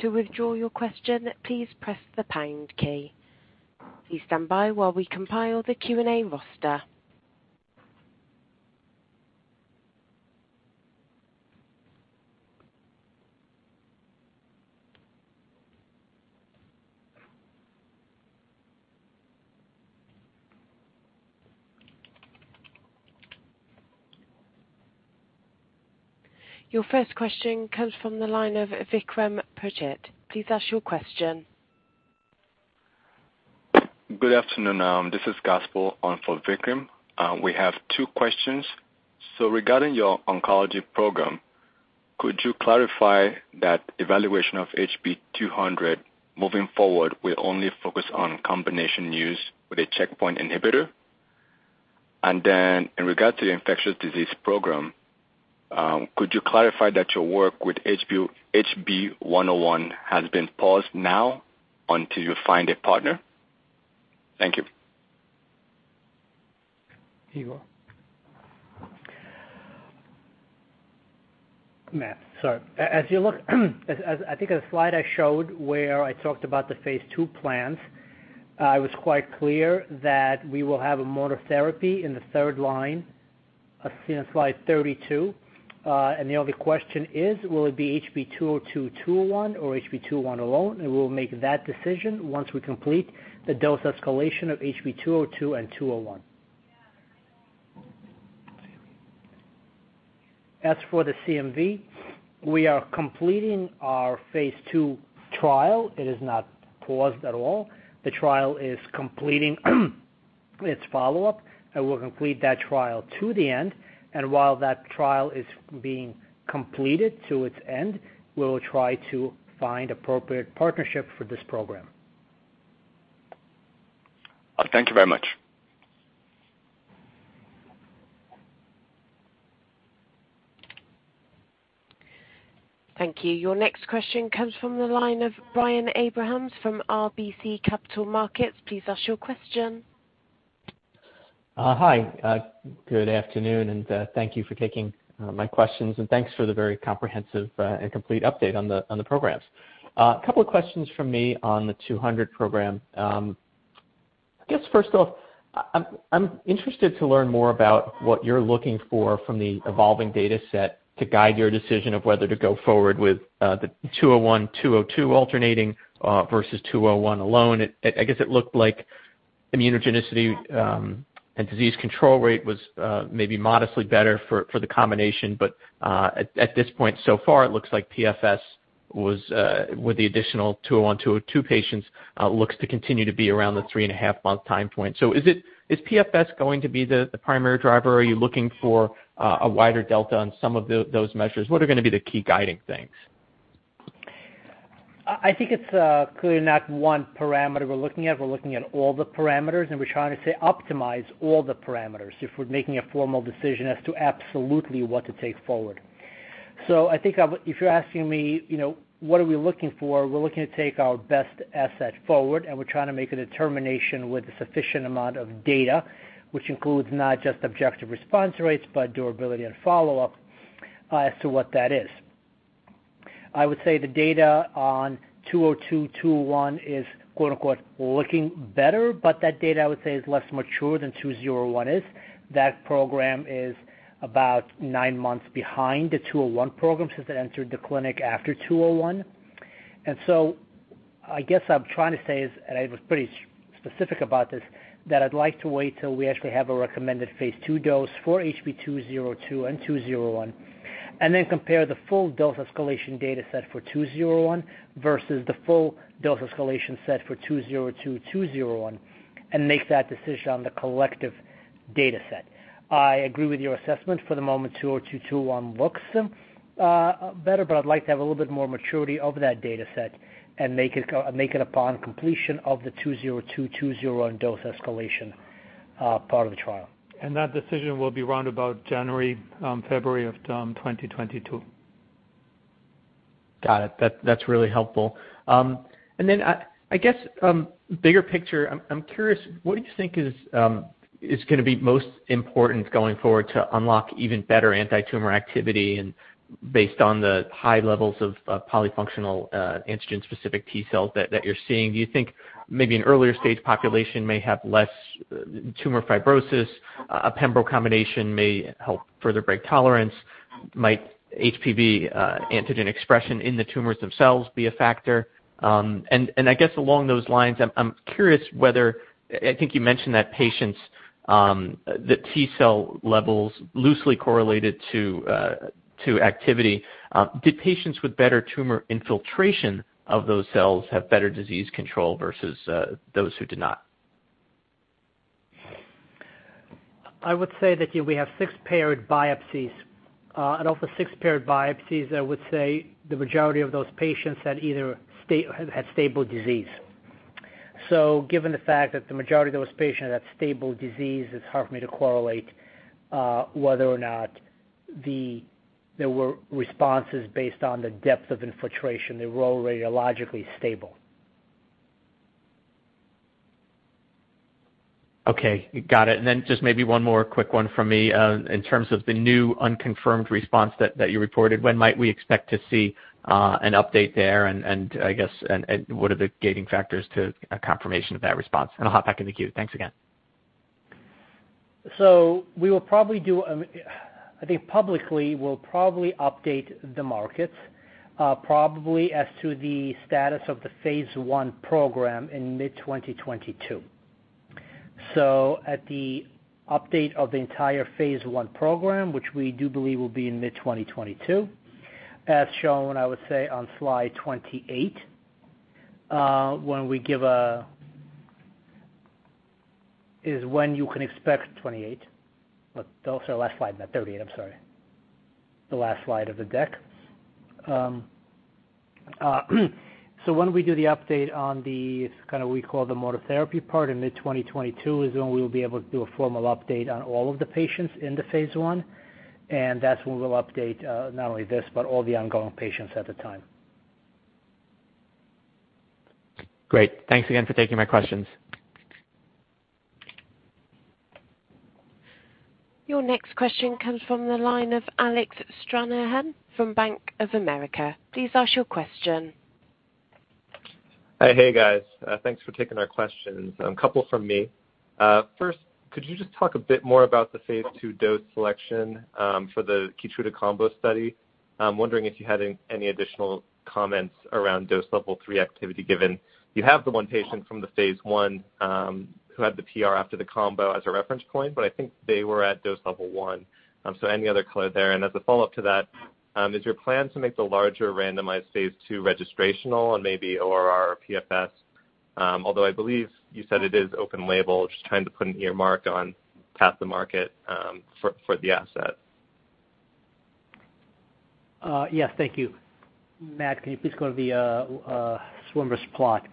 To withdraw your question, please press the pound key. Please stand by while we compile the Q&A roster. Your first question comes from the line of Vikram Purohit. Please ask your question. Good afternoon. This is Gospel on for Vikram. We have two questions. Regarding your oncology program, could you clarify that evaluation of HB-200 moving forward will only focus on combination use with a checkpoint inhibitor? In regard to the infectious disease program, could you clarify that your work with HB-101 has been paused now until you find a partner? Thank you. Igor. Yeah. Sorry. As you look, as I think a slide I showed where I talked about the phase II plans, I was quite clear that we will have a monotherapy in the third line, slide 32. The only question is, will it be HB202/201 or HB201 alone? We'll make that decision once we complete the dose escalation of HB202 andHB-201. As for the CMV, we are completing our phase II trial. It is not paused at all. The trial is completing its follow-up, and we'll complete that trial to the end. While that trial is being completed to its end, we will try to find appropriate partnership for this program. Thank you very much. Thank you. Your next question comes from the line of Brian Abrahams from RBC Capital Markets. Please ask your question. Hi. Good afternoon, and thank you for taking my questions, and thanks for the very comprehensive and complete update on the programs. A couple of questions from me on the 200 program. I guess, first off, I'm interested to learn more about what you're looking for from the evolving data set to guide your decision of whether to go forward with the HB-201/HB-202 alternating versus HB-201 alone. I guess it looked like immunogenicity and disease control rate was maybe modestly better for the combination. At this point, so far, it looks like PFS, with the additional HB-201/HB-202 patients, looks to continue to be around the three and a half-month time point. Is PFS going to be the primary driver, or are you looking for a wider delta on some of those measures? What are gonna be the key guiding things? I think it's clearly not one parameter we're looking at. We're looking at all the parameters, and we're trying to optimize all the parameters if we're making a formal decision as to absolutely what to take forward. I think I would. If you're asking me, you know, what are we looking for? We're looking to take our best asset forward, and we're trying to make a determination with a sufficient amount of data, which includes not just objective response rates, but durability and follow-up, as to what that is. I would say the data on HB-202/HB-201 is quote-unquote looking better, but that data, I would say, is less mature than HB-201 is. That program is about nine months behind the HB-201 program since it entered the clinic after HB-201. I guess I'm trying to say is, and I was pretty specific about this, that I'd like to wait till we actually have a recommended phase II dose for HB-202 and HB-201, and then compare the full dose escalation data set for HB-201 versus the full dose escalation set for HB-202/HB-201 and make that decision on the collective data set. I agree with your assessment. For the moment, HB-202/HB-201 looks better, but I'd like to have a little bit more maturity of that data set and make it upon completion of the HB-202/HB-201 dose escalation part of the trial. That decision will be round about January, February of 2022. Got it. That's really helpful. Bigger picture, I'm curious what you think is gonna be most important going forward to unlock even better antitumor activity and based on the high levels of polyfunctional antigen-specific T cells that you're seeing? Do you think maybe an earlier stage population may have less tumor fibrosis? A pembro combination may help further break tolerance. Might HPV antigen expression in the tumors themselves be a factor? I guess along those lines, I'm curious. I think you mentioned that patients the T cell levels loosely correlated to activity. Did patients with better tumor infiltration of those cells have better disease control versus those who did not? I would say that, you know, we have six paired biopsies. Out of the six paired biopsies, I would say the majority of those patients had stable disease. Given the fact that the majority of those patients had stable disease, it's hard for me to correlate whether or not there were responses based on the depth of infiltration. They were all radiologically stable. Okay. Got it. Just maybe one more quick one from me. In terms of the new unconfirmed response that you reported, when might we expect to see an update there? I guess what are the gating factors to a confirmation of that response? I'll hop back in the queue. Thanks again. I think publicly, we'll probably update the market, probably as to the status of the phase I program in mid-2022. At the update of the entire phase I program, which we do believe will be in mid-2022, as shown, I would say on slide 28. That is when you can expect 28. But that was our last slide, not 38. I'm sorry. The last slide of the deck. When we do the update on the kind of we call the monotherapy part in mid-2022 is when we'll be able to do a formal update on all of the patients in the phase I. That's when we'll update, not only this, but all the ongoing patients at the time. Great. Thanks again for taking my questions. Your next question comes from the line of Alec Stranahan from Bank of America. Please ask your question. Hey, guys. Thanks for taking our questions. A couple from me. First, could you just talk a bit more about the phase II dose selection for the KEYTRUDA combo study? I'm wondering if you had any additional comments around dose level 3 activity given you have the one patient from the phase I who had the PR after the combo as a reference point, but I think they were at dose level 1. So any other color there? As a follow-up to that, is your plan to make the larger randomized phase II registrational and maybe ORR or PFS? Although I believe you said it is open label, just trying to put an earmark on path to market for the asset. Yes, thank you. Matt, can you please go to the swimmer's plot?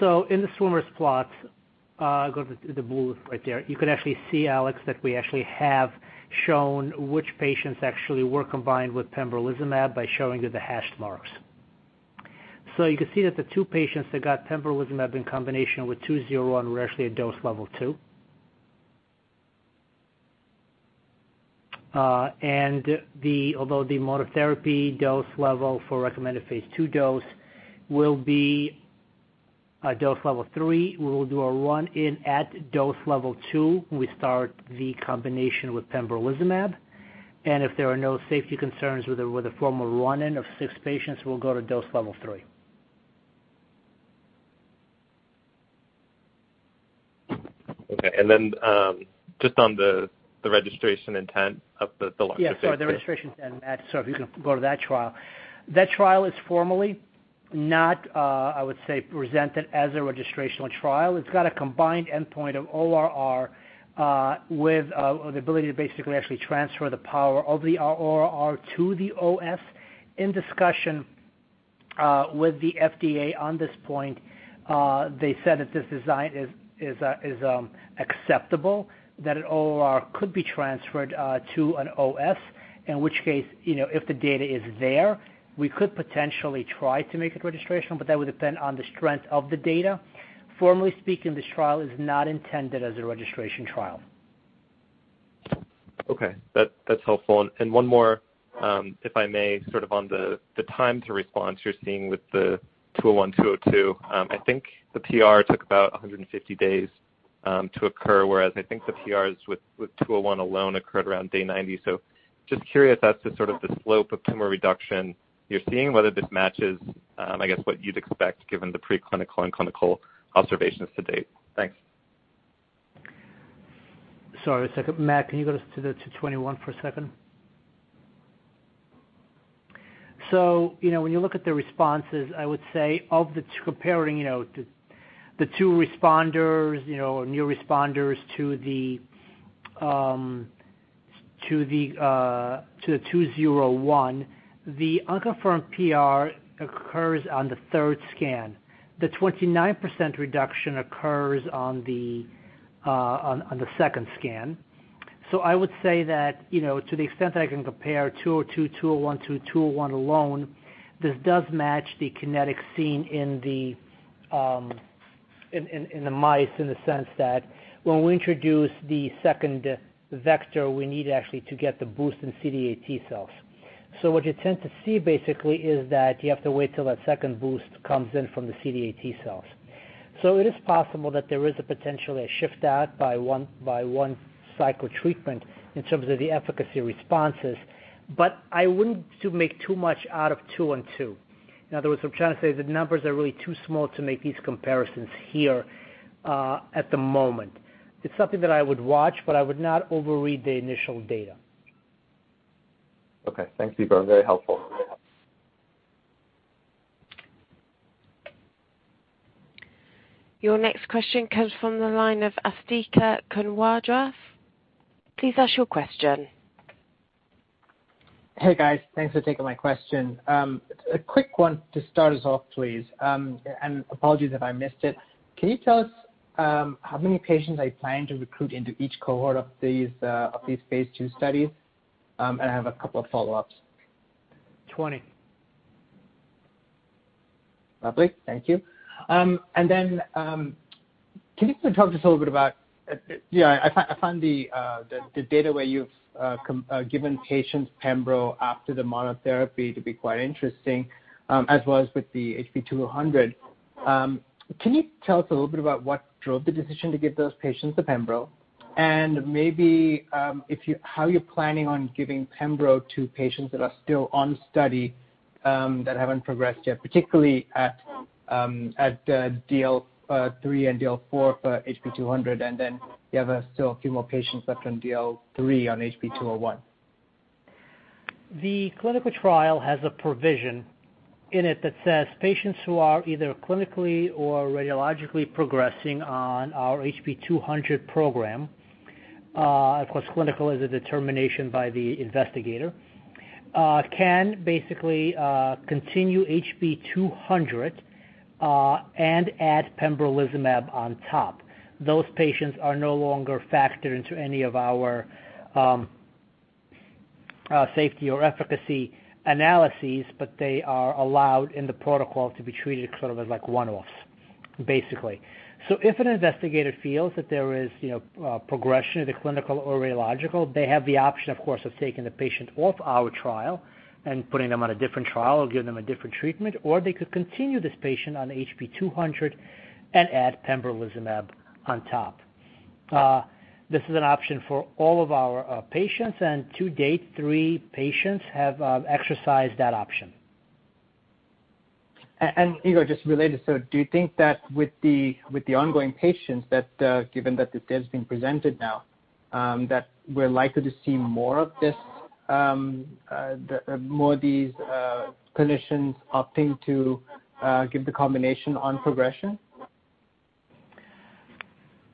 In the swimmer's plot, go to the blue right there. You can actually see, Alex, that we actually have shown which patients actually were combined with pembrolizumab by showing you the hatched marks. You can see that the two patients that got pembrolizumab in combination with HB-201 were actually at dose level 2. Although the monotherapy dose level for recommended phase II dose will be dose level 3, we will do a run-in at dose level 2. We start the combination with pembrolizumab, and if there are no safety concerns with the formal run-in of six patients, we'll go to dose level 3. Okay. Just on the registration intent of the Yeah. Sorry, the registration intent. Sorry, if you can go to that trial. That trial is formally not, I would say, presented as a registrational trial. It's got a combined endpoint of ORR with the ability to basically actually transfer the power of the ORR to the OS. In discussion with the FDA on this point, they said that this design is acceptable, that an ORR could be transferred to an OS. In which case, you know, if the data is there, we could potentially try to make it registrational, but that would depend on the strength of the data. Formally speaking, this trial is not intended as a registration trial. Okay. That's helpful. One more, if I may. Sort of on the time to response you're seeing with the HB-201, HB-202, I think the PR took about 150 days to occur, whereas I think the PRs with HB-201 alone occurred around day 90. Just curious as to sort of the slope of tumor reduction you're seeing, whether this matches, I guess what you'd expect given the preclinical and clinical observations to date? Thanks. Sorry, one second. Matt, can you go to the 221 for a second? You know, when you look at the responses, I would say, comparing you know, the two responders, you know, new responders to the HB-201, the unconfirmed PR occurs on the third scan. The 29% reduction occurs on the second scan. I would say that, you know, to the extent that I can compare HB-202/HB-201 to HB-201 alone, this does match the kinetics seen in the mice, in the sense that when we introduce the second vector, we need actually to get the boost in CD8 T cells. What you tend to see basically is that you have to wait till that second boost comes in from the CD8 T cells. It is possible that there is potentially a shift out by one cycle treatment in terms of the efficacy responses, but I wouldn't want to make too much out of two and two. In other words, what I'm trying to say is the numbers are really too small to make these comparisons here at the moment. It's something that I would watch, but I would not overread the initial data. Okay. Thanks, Igor. Very helpful. Your next question comes from the line of Asthika Goonewardene. Please ask your question. Hey, guys. Thanks for taking my question. A quick one to start us off, please. Apologies if I missed it. Can you tell us how many patients are you planning to recruit into each cohort of these phase II studies? I have a couple of follow-ups. Twenty. Lovely. Thank you. Can you sort of talk to us a little bit about yeah, I find the data where you've given patients pembro after the monotherapy to be quite interesting, as well as with the HB-200. Can you tell us a little bit about what drove the decision to give those patients the pembro? Maybe how you're planning on giving pembro to patients that are still on study that haven't progressed yet, particularly at DL 3 and DL 4 for HB-200, and then you have still a few more patients left on DL 3 on HB-201. The clinical trial has a provision in it that says patients who are either clinically or radiologically progressing on our HB-200 program, of course, clinical is a determination by the investigator, can basically continue HB-200 and add pembrolizumab on top. Those patients are no longer factored into any of our safety or efficacy analyses, but they are allowed in the protocol to be treated sort of as like one-offs, basically. If an investigator feels that there is, you know, progression, either clinical or radiological, they have the option, of course, of taking the patient off our trial and putting them on a different trial or give them a different treatment, or they could continue this patient on HB-200 and add pembrolizumab on top. This is an option for all of our patients, and to date, three patients have exercised that option. Igor, just related. Do you think that with the ongoing patients, given that this data's been presented now, that we're likely to see more of this, the more of these clinicians opting to give the combination on progression?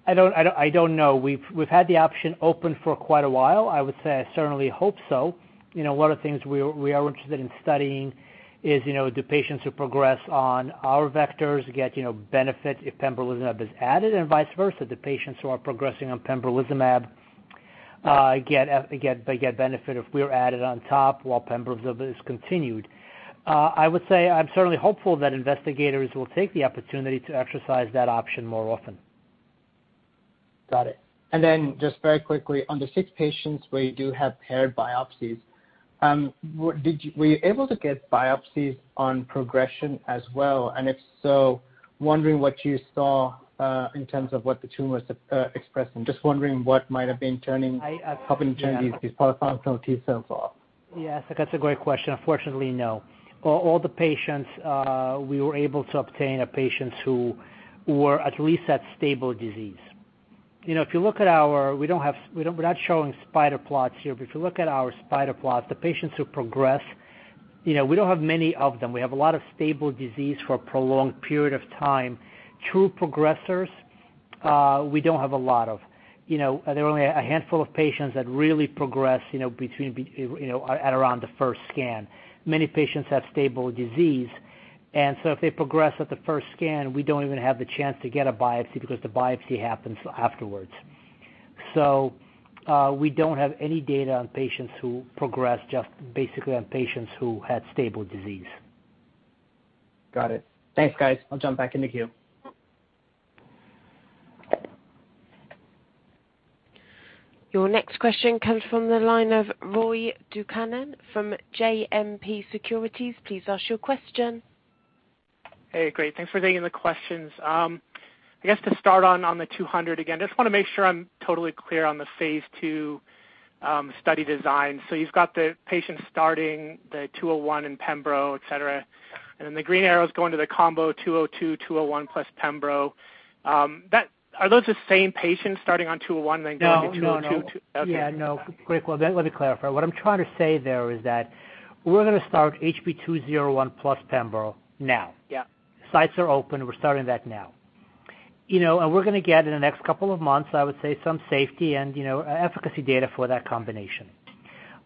I don't know. We've had the option open for quite a while. I would say I certainly hope so. You know, one of the things we are interested in studying is, you know, do patients who progress on our vectors get benefit if pembrolizumab is added? Vice versa, do patients who are progressing on pembrolizumab get benefit if we're added on top while pembrolizumab is continued? I would say I'm certainly hopeful that investigators will take the opportunity to exercise that option more often. Got it. Just very quickly, on the six patients where you do have paired biopsies, were you able to get biopsies on progression as well? And if so, wondering what you saw in terms of what the tumors expressed. I'm just wondering what might have been turning. I, uh- Helping turn these polyfunctional T cells off. Yes, that's a great question. Unfortunately, no. All the patients we were able to obtain are patients who were at least at stable disease. You know, if you look at our spider plots. We're not showing spider plots here, but if you look at our spider plots, the patients who progress, you know, we don't have many of them. We have a lot of stable disease for a prolonged period of time. True progressers, we don't have a lot of. You know, there were only a handful of patients that really progressed, you know, between, you know, at around the first scan. Many patients have stable disease. If they progress at the first scan, we don't even have the chance to get a biopsy because the biopsy happens afterwards. We don't have any data on patients who progress, just basically on patients who had stable disease. Got it. Thanks, guys. I'll jump back in the queue. Your next question comes from the line of Roy Buchanan from JMP Securities. Please ask your question. Hey, great. Thanks for taking the questions. I guess to start on the HB-200 again, just wanna make sure I'm totally clear on the phase II study design. So you've got the patients starting the HB-201 and pembro, et cetera. Then the green arrows go into the combo HB-202/HB-201 plus pembro. Are those the same patients starting on HB-201 then going to 202? No. Okay. Yeah, no. Great. Well, let me clarify. What I'm trying to say there is that we're gonna start HB-201 plus pembro now. Yeah. Sites are open. We're starting that now. You know, we're gonna get in the next couple of months, I would say, some safety and, you know, efficacy data for that combination. Yeah.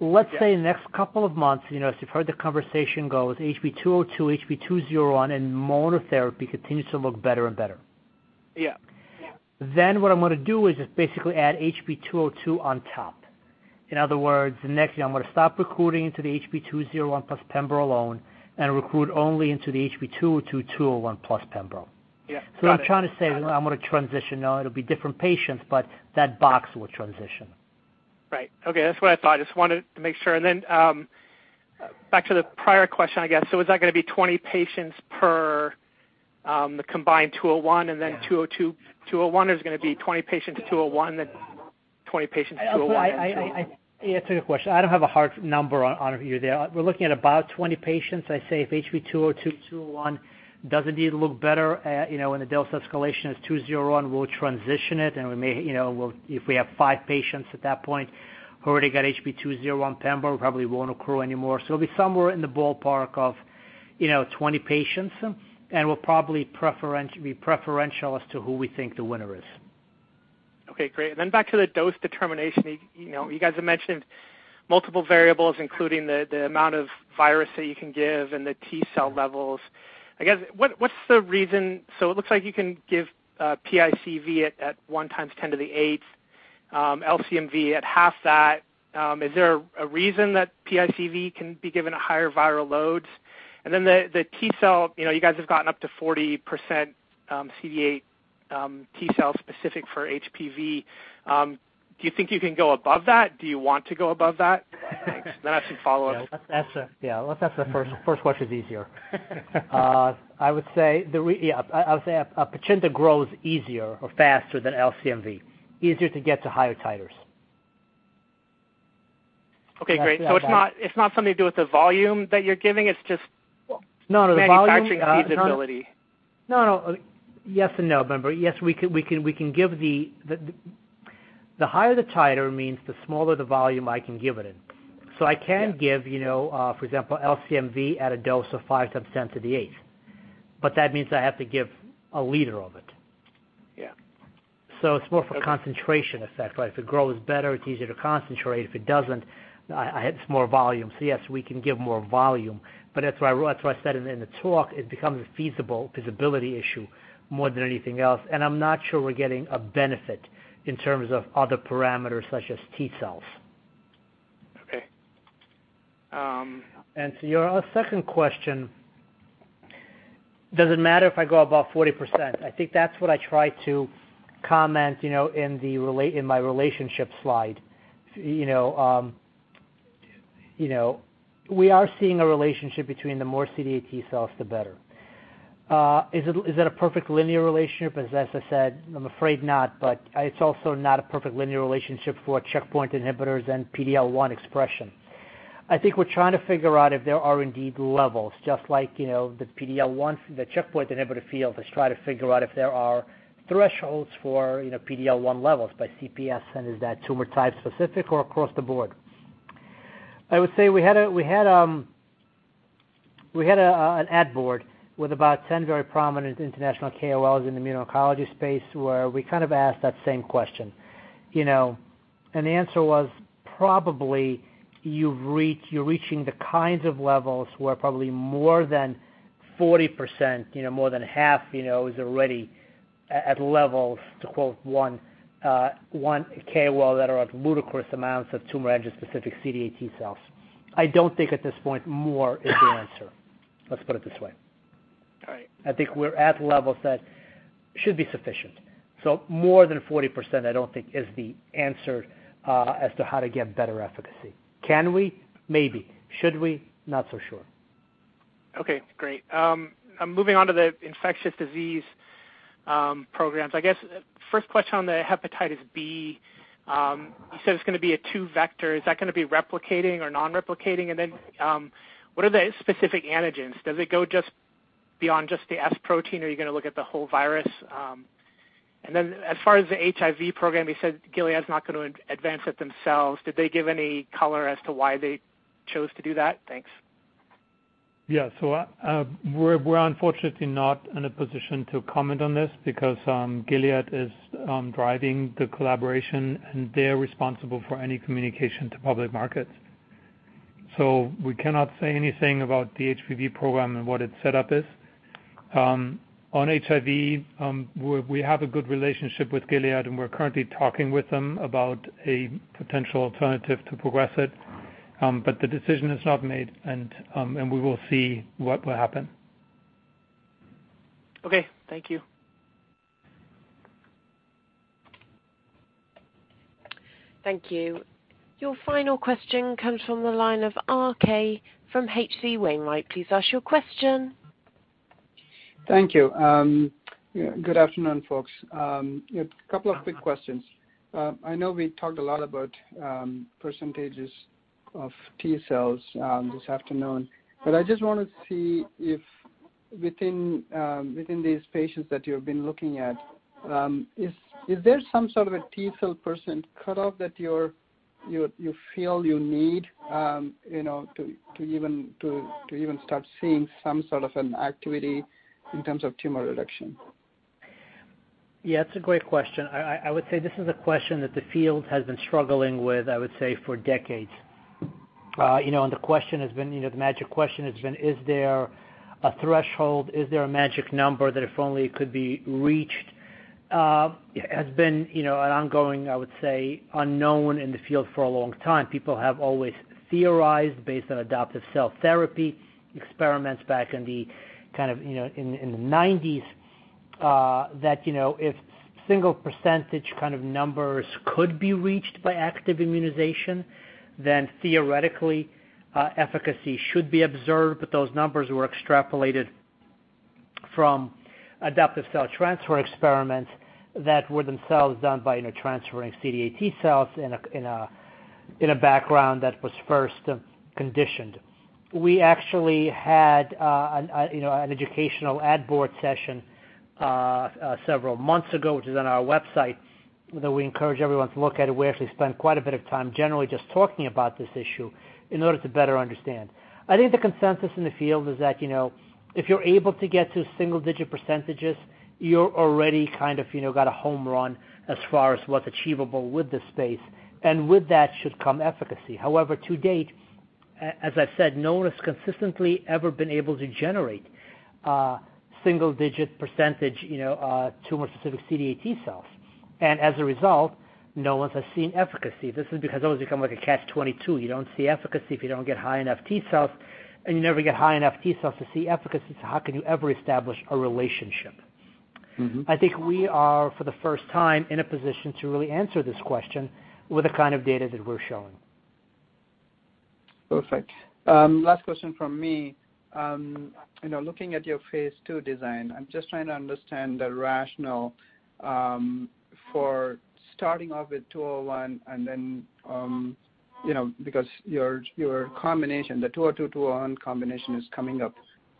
Let's say in the next couple of months, you know, as you've heard the conversation goes, HB-202/HB-201 and monotherapy continues to look better and better. Yeah. What I'm gonna do is just basically add HB-202 on top. In other words, the next thing, I'm gonna stop recruiting into the HB-201 plus pembro alone and recruit only into the HB-202/HB-201 plus pembro. Yeah. what I'm trying to say is I'm gonna transition. Now it'll be different patients, but that box will transition. Right. Okay, that's what I thought. Just wanted to make sure. Back to the prior question, I guess. Is that gonna be 20 patients per the combined HB-201, HB-202. HB-201 is gonna be 20 patients, then 20 patients HB-201 and HB-202. To answer your question, I don't have a hard number on here there. We're looking at about 20 patients. I'd say if HB-202/HB-201 doesn't indeed look better at, you know, when the dose escalation is HB-201, we'll transition it and we may, you know, we'll. If we have five patients at that point who already got HB-201 pembro, we probably won't accrue any more. So it'll be somewhere in the ballpark of, you know, 20 patients, and we'll probably be preferential as to who we think the winner is. Okay, great. Back to the dose determination. You know, you guys have mentioned multiple variables, including the amount of virus that you can give and the T cell levels. I guess, what's the reason? So it looks like you can give PICV at 1 × 10^8, LCMV at half that. Is there a reason that PICV can be given at higher viral loads? And then the T cell, you know, you guys have gotten up to 40% CD8 T cells specific for HPV. Do you think you can go above that? Do you want to go above that? Thanks. I have some follow-ups. Let's answer the first question is easier. I would say a Pichinde grows easier or faster than LCMV, easier to get to higher titers. Okay, great. Yes, yeah. It's not something to do with the volume that you're giving, it's just. No, the volume. manufacturing feasibility. No, no. Yes and no, remember. Yes, we can. The higher the titer means, the smaller the volume I can give it in. Yeah. I can give, you know, for example, LCMV at a dose of 5 × 10^8, but that means I have to give a liter of it. Yeah. It's more for concentration effect, right? If it grows better, it's easier to concentrate. If it doesn't, I have some more volume. Yes, we can give more volume, but that's why I said in the talk, it becomes a feasible feasibility issue more than anything else. I'm not sure we're getting a benefit in terms of other parameters such as T cells. Okay. To your second question, does it matter if I go above 40%? I think that's what I tried to comment, you know, in my relationship slide. You know, we are seeing a relationship between the more CD8 T cells, the better. Is it a perfect linear relationship? As I said, I'm afraid not, but it's also not a perfect linear relationship for checkpoint inhibitors and PD-L1 expression. I think we're trying to figure out if there are indeed levels, just like, you know, the PD-L1, the checkpoint inhibitor field is trying to figure out if there are thresholds for, you know, PD-L1 levels by CPS, and is that tumor type specific or across the board? I would say we had an ad board with about 10 very prominent international KOLs in the immuno-oncology space where we kind of asked that same question. You know, the answer was probably you're reaching the kinds of levels where probably more than 40%, you know, more than half, you know, is already at levels, to quote one KOL, that are at ludicrous amounts of tumor antigen specific CD8 T cells. I don't think at this point, more is the answer. Let's put it this way. All right. I think we're at levels that should be sufficient. More than 40% I don't think is the answer, as to how to get better efficacy. Can we? Maybe. Should we? Not so sure. Okay, great. I'm moving on to the infectious disease programs. I guess first question on the hepatitis B, you said it's gonna be a two-vector. Is that gonna be replicating or non-replicating? And then, what are the specific antigens? Does it go beyond just the S protein or are you gonna look at the whole virus? And then as far as the HIV program, you said Gilead's not gonna advance it themselves. Did they give any color as to why they chose to do that? Thanks. Yeah, we're unfortunately not in a position to comment on this because Gilead is driving the collaboration, and they're responsible for any communication to public markets. We cannot say anything about the HPV program and what it's set up is. On HIV, we have a good relationship with Gilead, and we're currently talking with them about a potential alternative to progress it. But the decision is not made, and we will see what will happen. Okay, thank you. Thank you. Your final question comes from the line of RK from H.C. Wainwright. Please ask your question. Thank you. Yeah, good afternoon, folks. A couple of quick questions. I know we talked a lot about percentages of T-cells this afternoon, but I just wanna see if within these patients that you've been looking at, is there some sort of a T-cell percent cut-off that you feel you need, you know, to even start seeing some sort of an activity in terms of tumor reduction? Yeah, it's a great question. I would say this is a question that the field has been struggling with, I would say, for decades. You know, the question has been, you know, the magic question has been, is there a threshold, is there a magic number that if only it could be reached, has been, you know, an ongoing, I would say, unknown in the field for a long time. People have always theorized based on adaptive cell therapy experiments back in the kind of, you know, in the 1990s, that, you know, if single percentage kind of numbers could be reached by active immunization, then theoretically, efficacy should be observed. Those numbers were extrapolated from adaptive cell transfer experiments that were themselves done by, you know, transferring CD8 T cells in a background that was first conditioned. We actually had an educational advisory board session several months ago, which is on our website, that we encourage everyone to look at it. We actually spent quite a bit of time generally just talking about this issue in order to better understand. I think the consensus in the field is that, you know, if you're able to get to single-digit percentages, you're already kind of, you know, got a home run as far as what's achievable with the space. And with that should come efficacy. However, to date, as I've said, no one has consistently ever been able to generate single digit percentage, you know, tumor specific CD8 T cells. And as a result, no one has seen efficacy. This is because it's almost become like a catch-22. You don't see efficacy if you don't get high enough T cells, and you never get high enough T cells to see efficacy, so how can you ever establish a relationship? Mm-hmm. I think we are, for the first time, in a position to really answer this question with the kind of data that we're showing. Perfect. Last question from me. You know, looking at your phase II design, I'm just trying to understand the rationale for starting off with HB-201 and then, you know, because your combination, the HB-202/HB-201 combination is coming up,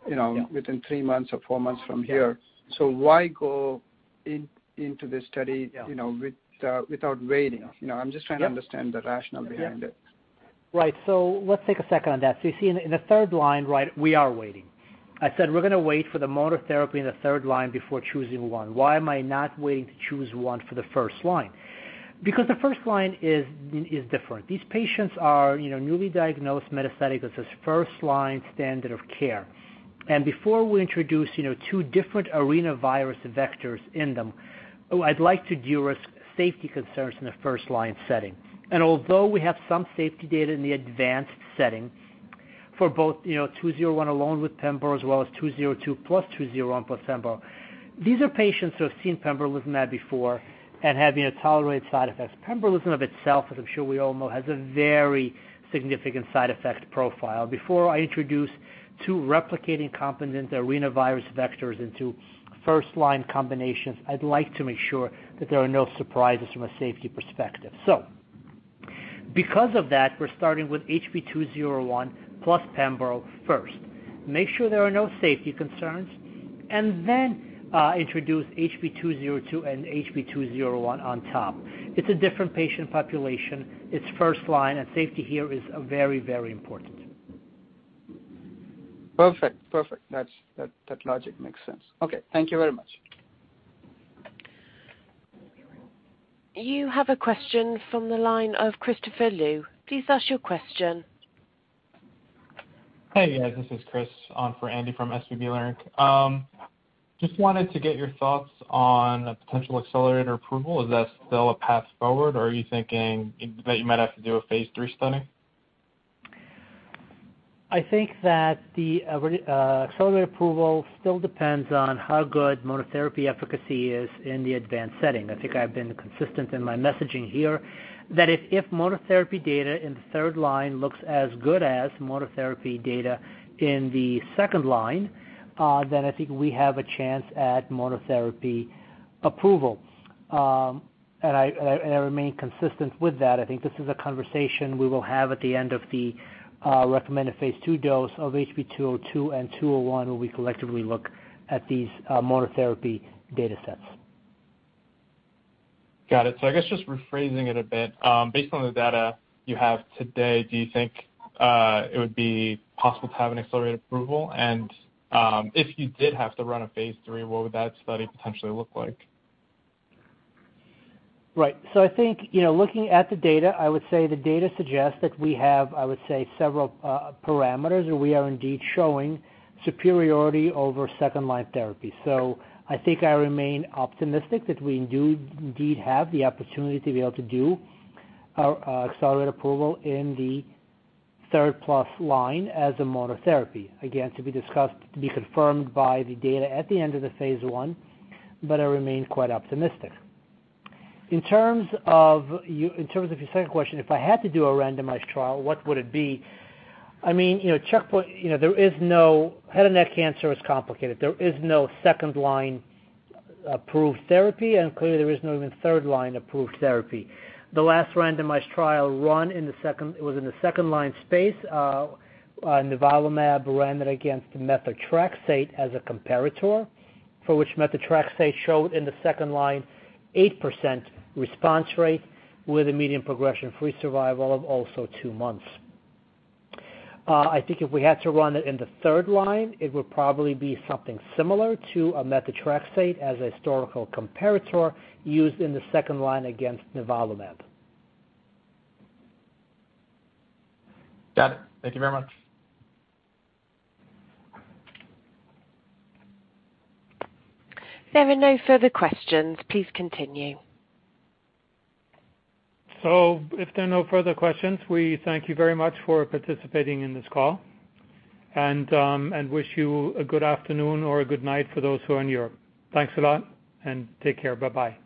you know. Yeah. Within three months or four months from here. Why go into this study? Yeah. You know, with, without waiting? You know, I'm just trying to understand the rationale behind it. Yep. Right. Let's take a second on that. You see in the third line, right, we are waiting. I said we're gonna wait for the monotherapy in the third line before choosing one. Why am I not waiting to choose one for the first line? Because the first line is different. These patients are, you know, newly diagnosed metastatic. This is first line standard of care. Before we introduce, you know, two different arenavirus vectors in them, I'd like to de-risk safety concerns in the first line setting. Although we have some safety data in the advanced setting for both, you know, HB-201 along with pembro as well as HB-202 plus HB-201 plus pembro, these are patients who have seen pembrolizumab before and have, you know, tolerated side effects. Pembrolizumab itself, as I'm sure we all know, has a very significant side effect profile. Before I introduce two replication-competent arenavirus vectors into first-line combinations, I'd like to make sure that there are no surprises from a safety perspective. Because of that, we're starting with HB-201 plus pembro first. Make sure there are no safety concerns. Then, introduce HB-202 and HB-201 on top. It's a different patient population. It's first-line and safety here is very, very important. Perfect. That logic makes sense. Okay, thank you very much. You have a question from the line of Christopher Louie. Please ask your question. Hey, guys, this is Chris on for Andy from SVB Leerink. Just wanted to get your thoughts on a potential accelerated approval. Is that still a path forward, or are you thinking that you might have to do a phase III study? I think that the accelerated approval still depends on how good monotherapy efficacy is in the advanced setting. I think I've been consistent in my messaging here, that if monotherapy data in the third line looks as good as monotherapy data in the second line, then I think we have a chance at monotherapy approval. I remain consistent with that. I think this is a conversation we will have at the end of the recommended phase II dose of HB-202 and HB-201, where we collectively look at these monotherapy datasets. Got it. I guess just rephrasing it a bit, based on the data you have today, do you think it would be possible to have an accelerated approval? If you did have to run a phase III, what would that study potentially look like? Right. I think, you know, looking at the data, I would say the data suggests that we have, I would say, several parameters, where we are indeed showing superiority over second-line therapy. I think I remain optimistic that we do indeed have the opportunity to be able to do accelerated approval in the third plus line as a monotherapy. Again, to be discussed, to be confirmed by the data at the end of the phase I, but I remain quite optimistic. In terms of your second question, if I had to do a randomized trial, what would it be? I mean, you know, head and neck cancer is complicated. There is no second-line approved therapy, and clearly there is no even third-line approved therapy. The last randomized trial run in the second line space, nivolumab ran it against methotrexate as a comparator, for which methotrexate showed in the second line 8% response rate with a median progression-free survival of also two months. I think if we had to run it in the third line, it would probably be something similar to a methotrexate as a historical comparator used in the second line against nivolumab. Got it. Thank you very much. There are no further questions. Please continue. If there are no further questions, we thank you very much for participating in this call and wish you a good afternoon or a good night for those who are in Europe. Thanks a lot and take care. Bye-bye.